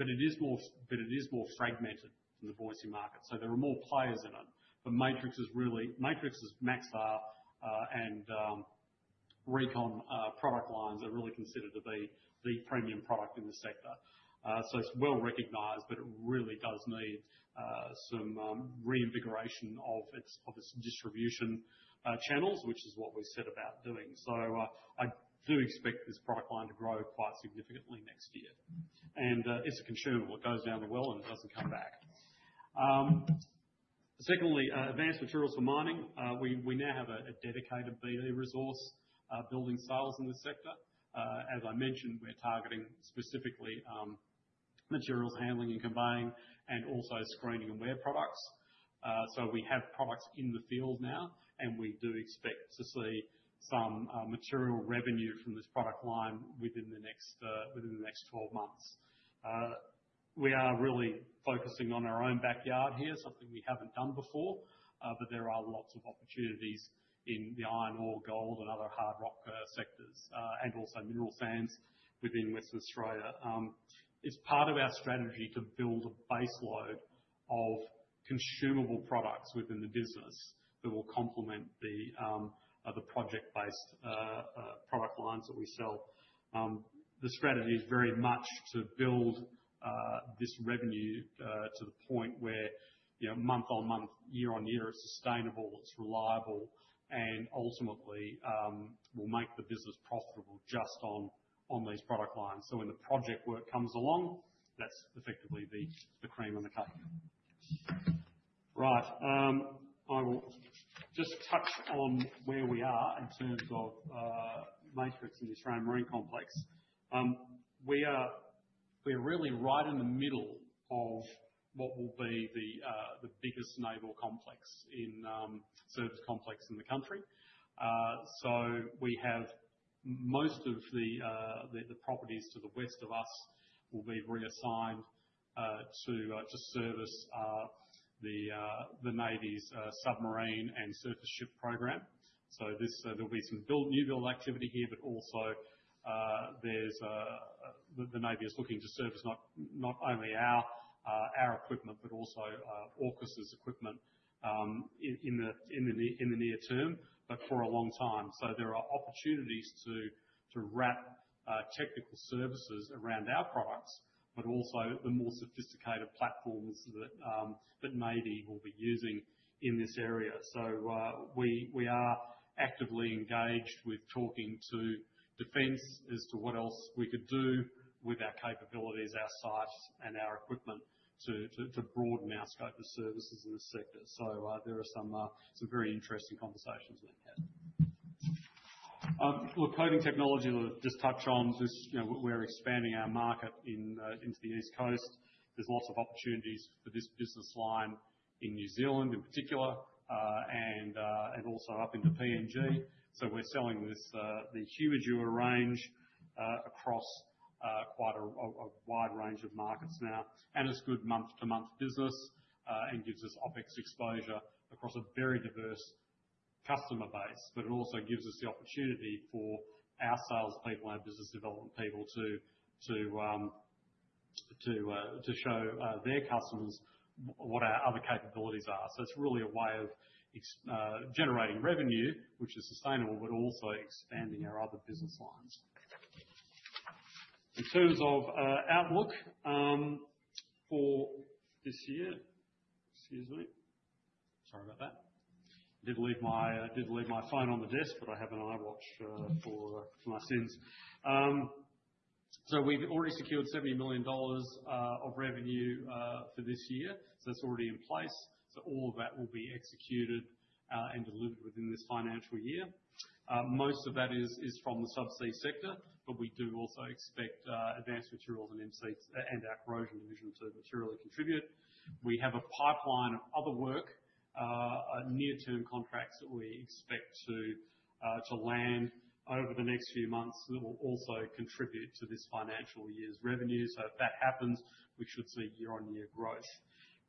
It is more fragmented than the buoyancy market, so there are more players in it. Matrix's Max-R and Recon product lines are really considered to be the premium product in the sector. It's well-recognized, but it really does need some reinvigoration of its distribution channels, which is what we set about doing. I do expect this product line to grow quite significantly next year. It's a consumable. It goes down the well and it doesn't come back. Advanced Materials for mining. We now have a dedicated BD resource building sales in this sector. As I mentioned, we're targeting specifically materials handling and conveying and also screening and wear products. We have products in the field now, and we do expect to see some material revenue from this product line within the next 12 months. We are really focusing on our own backyard here, something we haven't done before. There are lots of opportunities in the iron ore, gold, and other hard rock sectors, and also mineral sands within Western Australia. It's part of our strategy to build a base load of consumable products within the business that will complement the other project-based product lines that we sell. The strategy is very much to build this revenue to the point where month on month, year on year, it's sustainable, it's reliable, and ultimately, will make the business profitable just on these product lines. When the project work comes along, that's effectively the cream on the cake. Right. I will just touch on where we are in terms of Matrix and the Australian Marine Complex. We're really right in the middle of what will be the biggest naval complex in service complex in the country. We have most of the properties to the west of us will be reassigned to service the Navy's submarine and surface ship program. There'll be some new build activity here, but also the Navy is looking to service not only our equipment, but also AUKUS's equipment in the near term, but for a long time. There are opportunities to wrap technical services around our products, but also the more sophisticated platforms that Navy will be using in this area. We are actively engaged with talking to Defence as to what else we could do with our capabilities, our sites, and our equipment to broaden our scope of services in this sector. There are some very interesting conversations we've had. Look, Coating Technologies, I'll just touch on this. We're expanding our market into the East Coast. There's lots of opportunities for this business line in New Zealand in particular, and also up into PNG. We're selling the Humidur range across quite a wide range of markets now, and it's good month-to-month business, and gives us OpEx exposure across a very diverse customer base. It also gives us the opportunity for our salespeople and our business development people to show their customers what our other capabilities are. It's really a way of generating revenue, which is sustainable, but also expanding our other business lines. In terms of outlook for this year. Excuse me. Sorry about that. I did leave my phone on the desk, but I have an iWatch for my sins. We've already secured 70 million dollars of revenue for this year. That's already in place. All of that will be executed and delivered within this financial year. Most of that is from the Subsea sector, but we do also expect Advanced Materials and our corrosion division to materially contribute. We have a pipeline of other work, near-term contracts that we expect to land over the next few months that will also contribute to this financial year's revenue. If that happens, we should see year-on-year growth.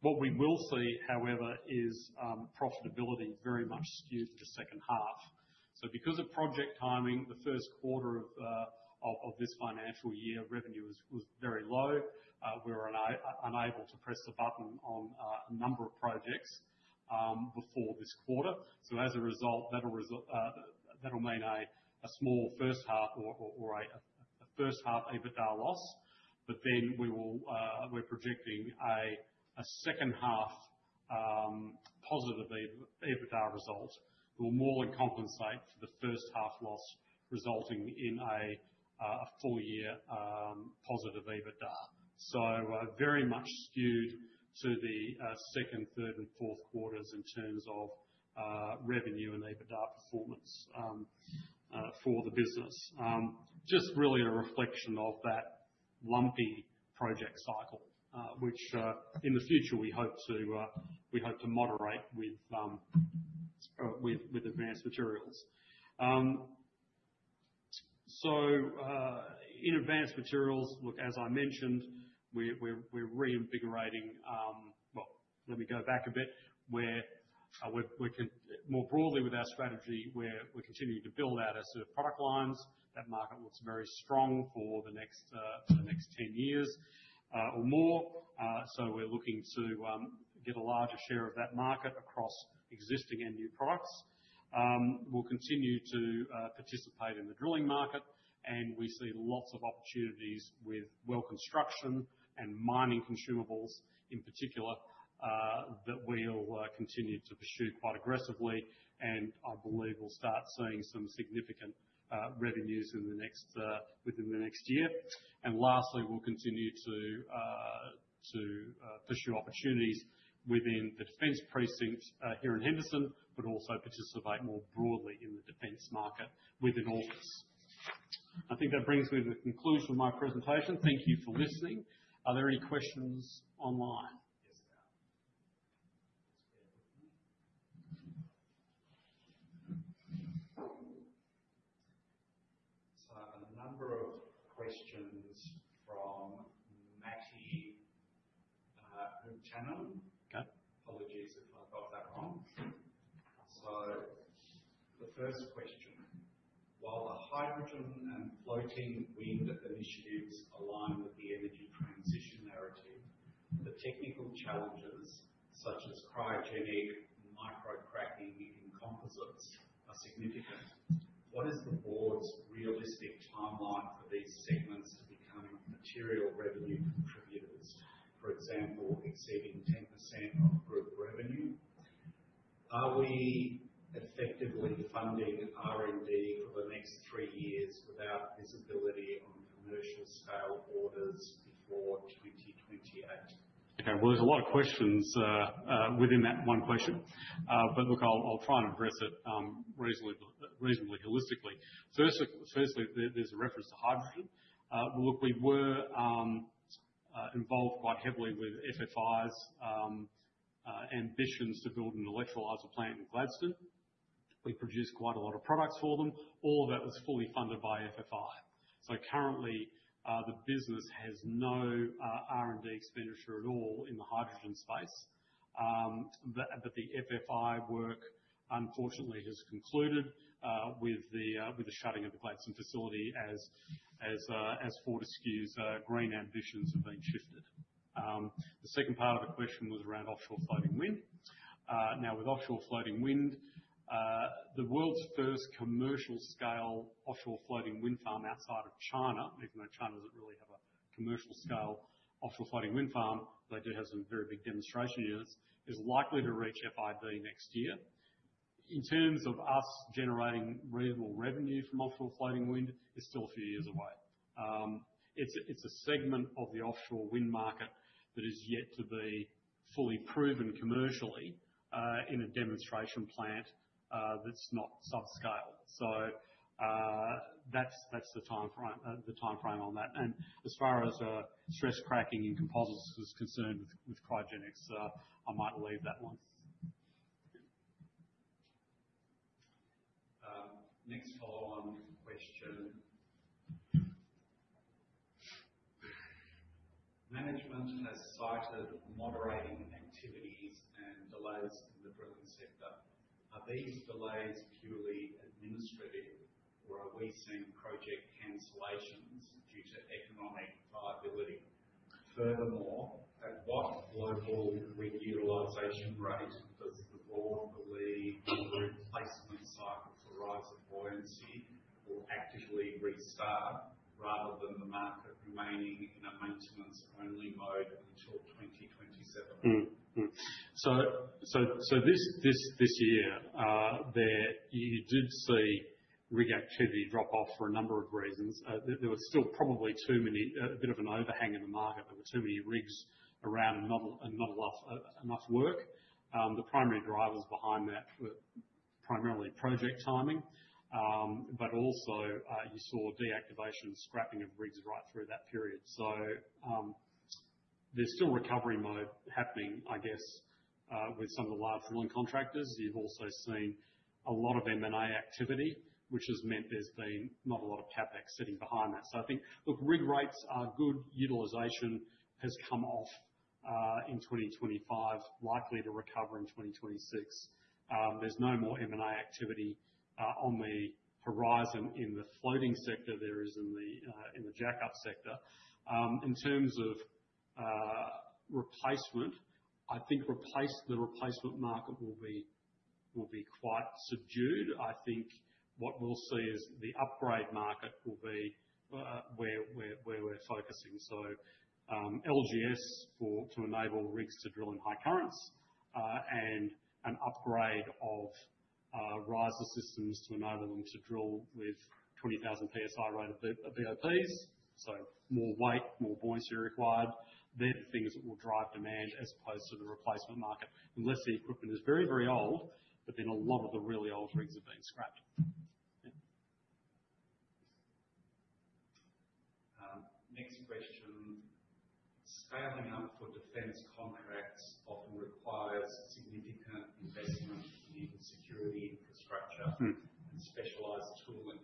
What we will see, however, is profitability very much skewed to the second half. Because of project timing, the first quarter of this financial year, revenue was very low. We were unable to press the button on a number of projects before this quarter. As a result, that'll mean a small first half or a first half EBITDA loss, but then we're projecting a second half positive EBITDA result that will more than compensate for the first half loss, resulting in a full year positive EBITDA. Very much skewed to the second, third, and fourth quarters in terms of revenue and EBITDA performance for the business. Just really a reflection of that lumpy project cycle, which in the future we hope to moderate with Advanced Materials. In Advanced Materials, look, as I mentioned, we're reinvigorating. Well, let me go back a bit. More broadly with our strategy, we're continuing to build out our sort of product lines. That market looks very strong for the next 10 years or more. We're looking to get a larger share of that market across existing and new products. We'll continue to participate in the drilling market, and we see lots of opportunities with well construction and mining consumables in particular, that we'll continue to pursue quite aggressively, and I believe we'll start seeing some significant revenues within the next year. Lastly, we'll continue to pursue opportunities within the Defence Precinct here in Henderson, but also participate more broadly in the defence market within AUKUS. I think that brings me to the conclusion of my presentation. Thank you for listening. Are there any questions online? Yes, there are. A number of questions from Matthew O'Tannen. Okay. Apologies if I got that wrong. The first question, while the hydrogen and floating wind initiatives align with the energy transition narrative, the technical challenges such as cryogenic micro-cracking in composites are significant. What is the Board's realistic timeline for these segments to becoming material revenue contributors, for example, exceeding 10% of group revenue? Are we effectively funding R&D for the next three years without visibility on commercial scale orders before 2028? Well, there's a lot of questions within that one question. Look, I'll try and address it reasonably holistically. Firstly, there's a reference to hydrogen. Look, we were involved quite heavily with FFI's ambitions to build an electrolyzer plant in Gladstone. We produced quite a lot of products for them. All of that was fully funded by FFI. Currently, the business has no R&D expenditure at all in the hydrogen space. The FFI work, unfortunately, has concluded with the shutting of the Gladstone facility as Fortescue's green ambitions have been shifted. The second part of the question was around offshore floating wind. With offshore floating wind, the world's first commercial scale offshore floating wind farm outside of China, even though China doesn't really have a commercial scale offshore floating wind farm, they do have some very big demonstration units, is likely to reach FID next year. In terms of us generating real revenue from offshore floating wind, it's still a few years away. It's a segment of the offshore wind market that is yet to be fully proven commercially, in a demonstration plant that's not subscale. That's the timeframe on that. As far as stress cracking in composites is concerned with cryogenics, I might leave that one. Next follow-on question. Management has cited moderating activities and delays in the drilling sector. Are these delays purely administrative, or are we seeing project cancellations due to economic viability? Furthermore, at what global rig utilization rate does the Board believe the replacement cycle for riser buoyancy will actively restart rather than the market remaining in a maintenance-only mode until 2027? This year, you did see rig activity drop off for a number of reasons. There was still probably a bit of an overhang in the market. There were too many rigs around and not enough work. The primary drivers behind that were primarily project timing. Also, you saw deactivation and scrapping of rigs right through that period. There's still recovery mode happening, I guess, with some of the larger oil contractors. You've also seen a lot of M&A activity, which has meant there's been not a lot of CapEx sitting behind that. I think, look, rig rates are good. Utilization has come off, in 2025, likely to recover in 2026. There's no more M&A activity on the horizon in the floating sector. There is in the jack-up sector. In terms of replacement, I think the replacement market will be quite subdued. I think what we'll see is the upgrade market will be where we're focusing. LGS to enable rigs to drill in high currents, and an upgrade of riser systems to enable them to drill with 20,000 PSI rated BOPs, so more weight, more buoyancy required. They're the things that will drive demand as opposed to the replacement market, unless the equipment is very old, but then a lot of the really old rigs have been scrapped. Yeah. Next question. Scaling up for defence contracts often requires significant investment in security infrastructure specialized tooling.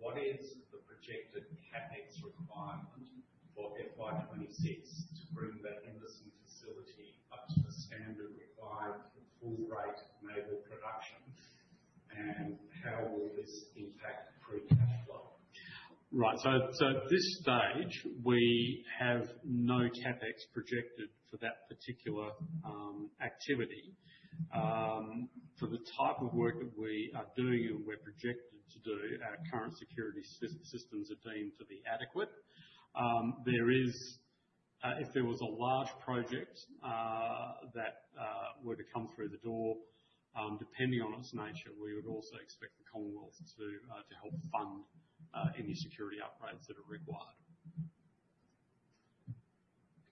What is the projected CapEx requirement for FY 2026 to bring the Henderson facility up to a standard required for full-rate naval production? How will this impact free cash flow? At this stage, we have no CapEx projected for that particular activity. For the type of work that we are doing and we're projected to do, our current security systems are deemed to be adequate. If there was a large project that were to come through the door, depending on its nature, we would also expect the Commonwealth to help fund any security upgrades that are required.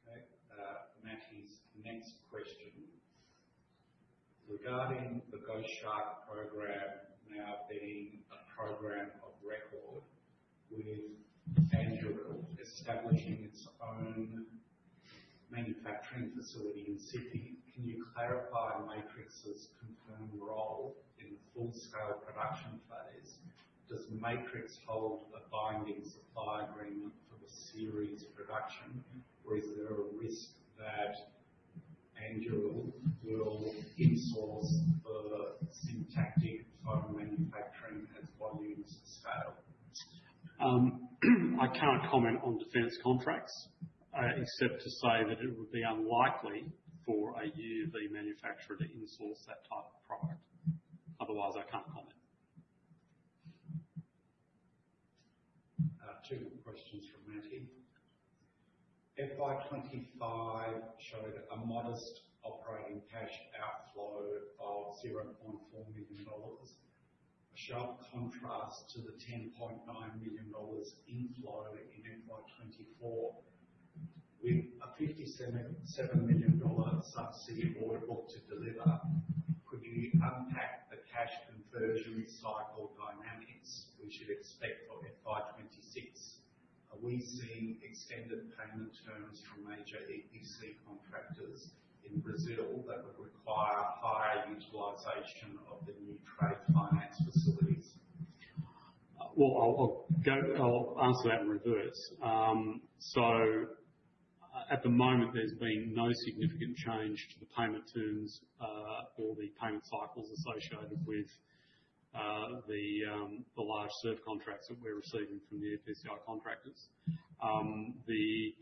Okay. Matthew's next question. Regarding the Ghost Shark program now being a program of record with Anduril establishing its own manufacturing facility in Sydney, can you clarify Matrix's confirmed role in the full-scale production phase? Does Matrix hold a binding supply agreement for the series production, or is there a risk that Anduril will in-source the syntactic foam manufacturing as volumes scale? I can't comment on defence contracts, except to say that it would be unlikely for a UUV manufacturer to in-source that type of product. Otherwise, I can't comment. Two more questions from Matthew. FY 2025 showed a modest operating cash outflow of 0.4 million dollars, a sharp contrast to the 10.9 million dollars inflow in FY 2024. With an 57 million dollar subsea on order book to deliver, could you unpack the cash conversion cycle dynamics we should expect from FY 2026? Are we seeing extended payment terms from major EPC contractors in Brazil that would require higher utilization of the new trade finance facilities? Well, I'll answer that in reverse. At the moment, there's been no significant change to the payment terms, or the payment cycles associated with the large SURF contracts that we're receiving from the EPCI contractors. The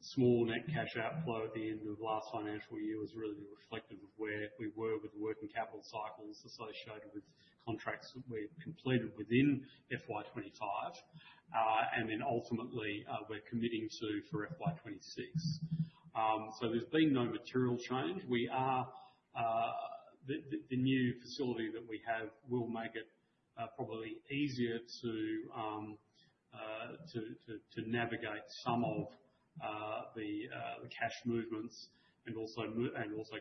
small net cash outflow at the end of last financial year was really reflective of where we were with the working capital cycles associated with contracts that we've completed within FY 2025, and then ultimately, we're committing to for FY 2026. There's been no material change. The new facility that we have will make it probably easier to navigate some of the cash movements and also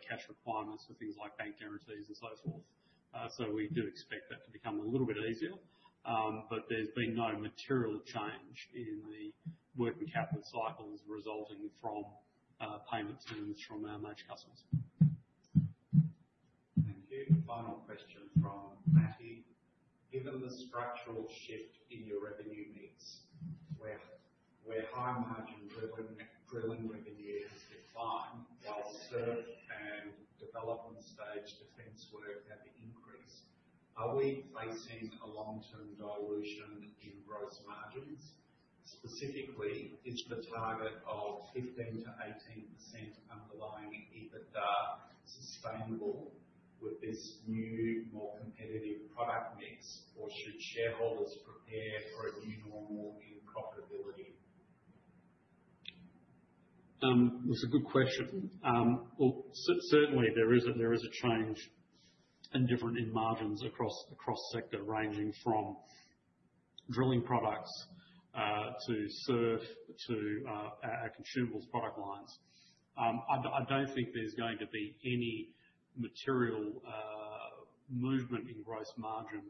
cash requirements for things like bank guarantees and so forth. We do expect that to become a little bit easier. There's been no material change in the working capital cycles resulting from payment terms from our major customers. Thank you. Final question from Mattie. Given the structural shift in your revenue mix, where high margin drilling revenue has declined while SURF and development stage defence work have increased, are we facing a long-term dilution in gross margins? Specifically, is the target of 15%-18% underlying EBITDA sustainable with this new, more competitive product mix, or should shareholders prepare for a new normal in profitability? It's a good question. Well, certainly, there is a change and different in margins across sector, ranging from drilling products to SURF to our consumables product lines. I don't think there's going to be any material movement in gross margin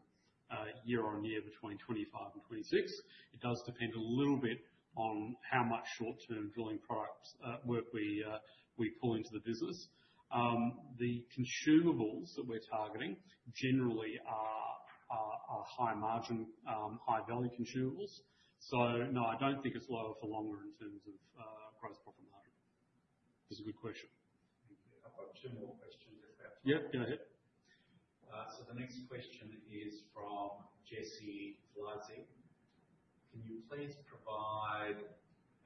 year on year between 2025 and 2026. It does depend a little bit on how much short-term drilling products work we pull into the business. The consumables that we're targeting generally are high margin, high value consumables. No, I don't think it's lower for longer in terms of gross profit margin. That's a good question. I've got two more questions if that's- Yeah, go ahead. The next question is from Jesse Flazey. Can you please provide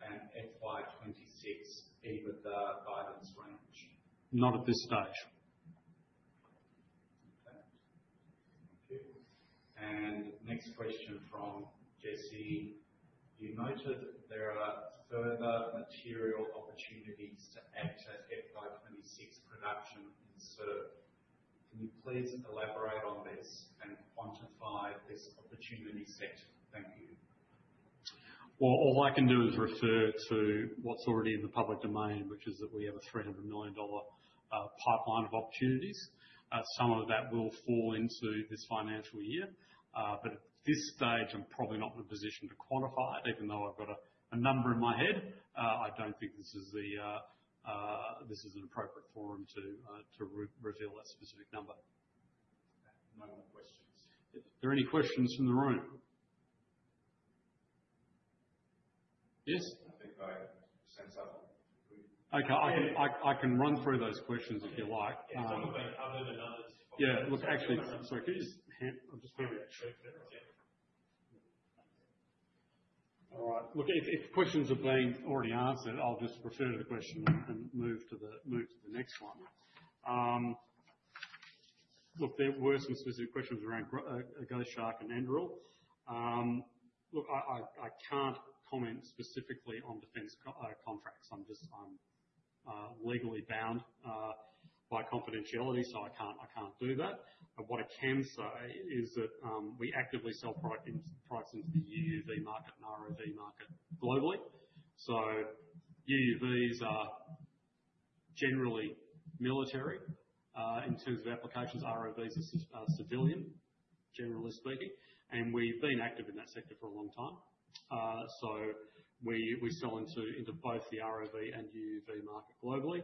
an FY 2026 EBITDA guidance range? Not at this stage. Okay. Thank you. Next question from Jesse. You noted there are further material opportunities to add to FY 2026 production in SURF. Can you please elaborate on this and quantify this opportunity set? Thank you. Well, all I can do is refer to what's already in the public domain, which is that we have a 300 million dollar pipeline of opportunities. Some of that will fall into this financial year. At this stage, I'm probably not in a position to quantify it, even though I've got a number in my head. I don't think this is an appropriate forum to reveal that specific number. No more questions. Are there any questions from the room? Yes. I think they're the same as up. Okay. I can run through those questions if you like. Some of them covered and- Yeah, actually, sorry, can you just grab that. All right. If questions are being already answered, I'll just refer to the question and move to the next one. There were some specific questions around Ghost Shark and Anduril. I can't comment specifically on defence contracts. I'm legally bound by confidentiality, I can't do that. What I can say is that we actively sell products into the UUV market and ROV market globally. UUVs are generally military, in terms of applications. ROVs are civilian, generally speaking, we've been active in that sector for a long time. We sell into both the ROV and UUV market globally.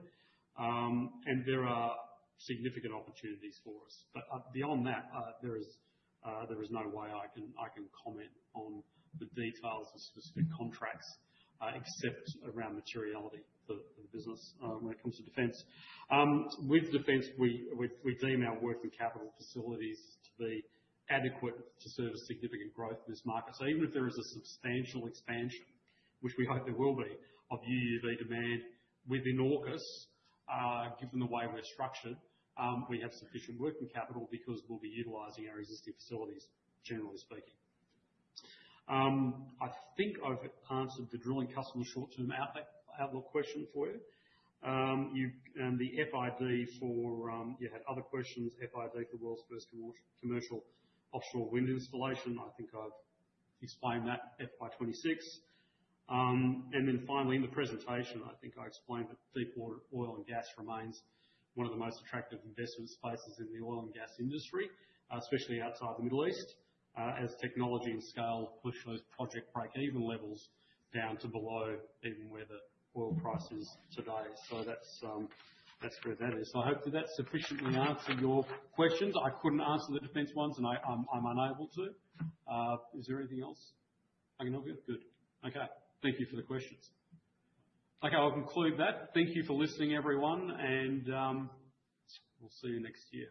There are significant opportunities for us. Beyond that, there is no way I can comment on the details of specific contracts except around materiality for the business when it comes to defence. With defence, we deem our working capital facilities to be adequate to serve a significant growth in this market. Even if there is a substantial expansion, which we hope there will be, of UUV demand within AUKUS, given the way we're structured, we have sufficient working capital because we'll be utilizing our existing facilities, generally speaking. I think I've answered the drilling customer short-term outlook question for you. You had other questions, FID for world's first commercial offshore wind installation. I think I've explained that, FY 2026. Finally, in the presentation, I think I explained that deepwater oil and gas remains one of the most attractive investment spaces in the oil and gas industry, especially outside the Middle East, as technology and scale push those project break-even levels down to below even where the oil price is today. That's where that is. I hope that sufficiently answered your questions. I couldn't answer the defence ones, and I'm unable to. Is there anything else I can help you with? Good. Okay. Thank you for the questions. Okay, I'll conclude that. Thank you for listening, everyone, and we'll see you next year.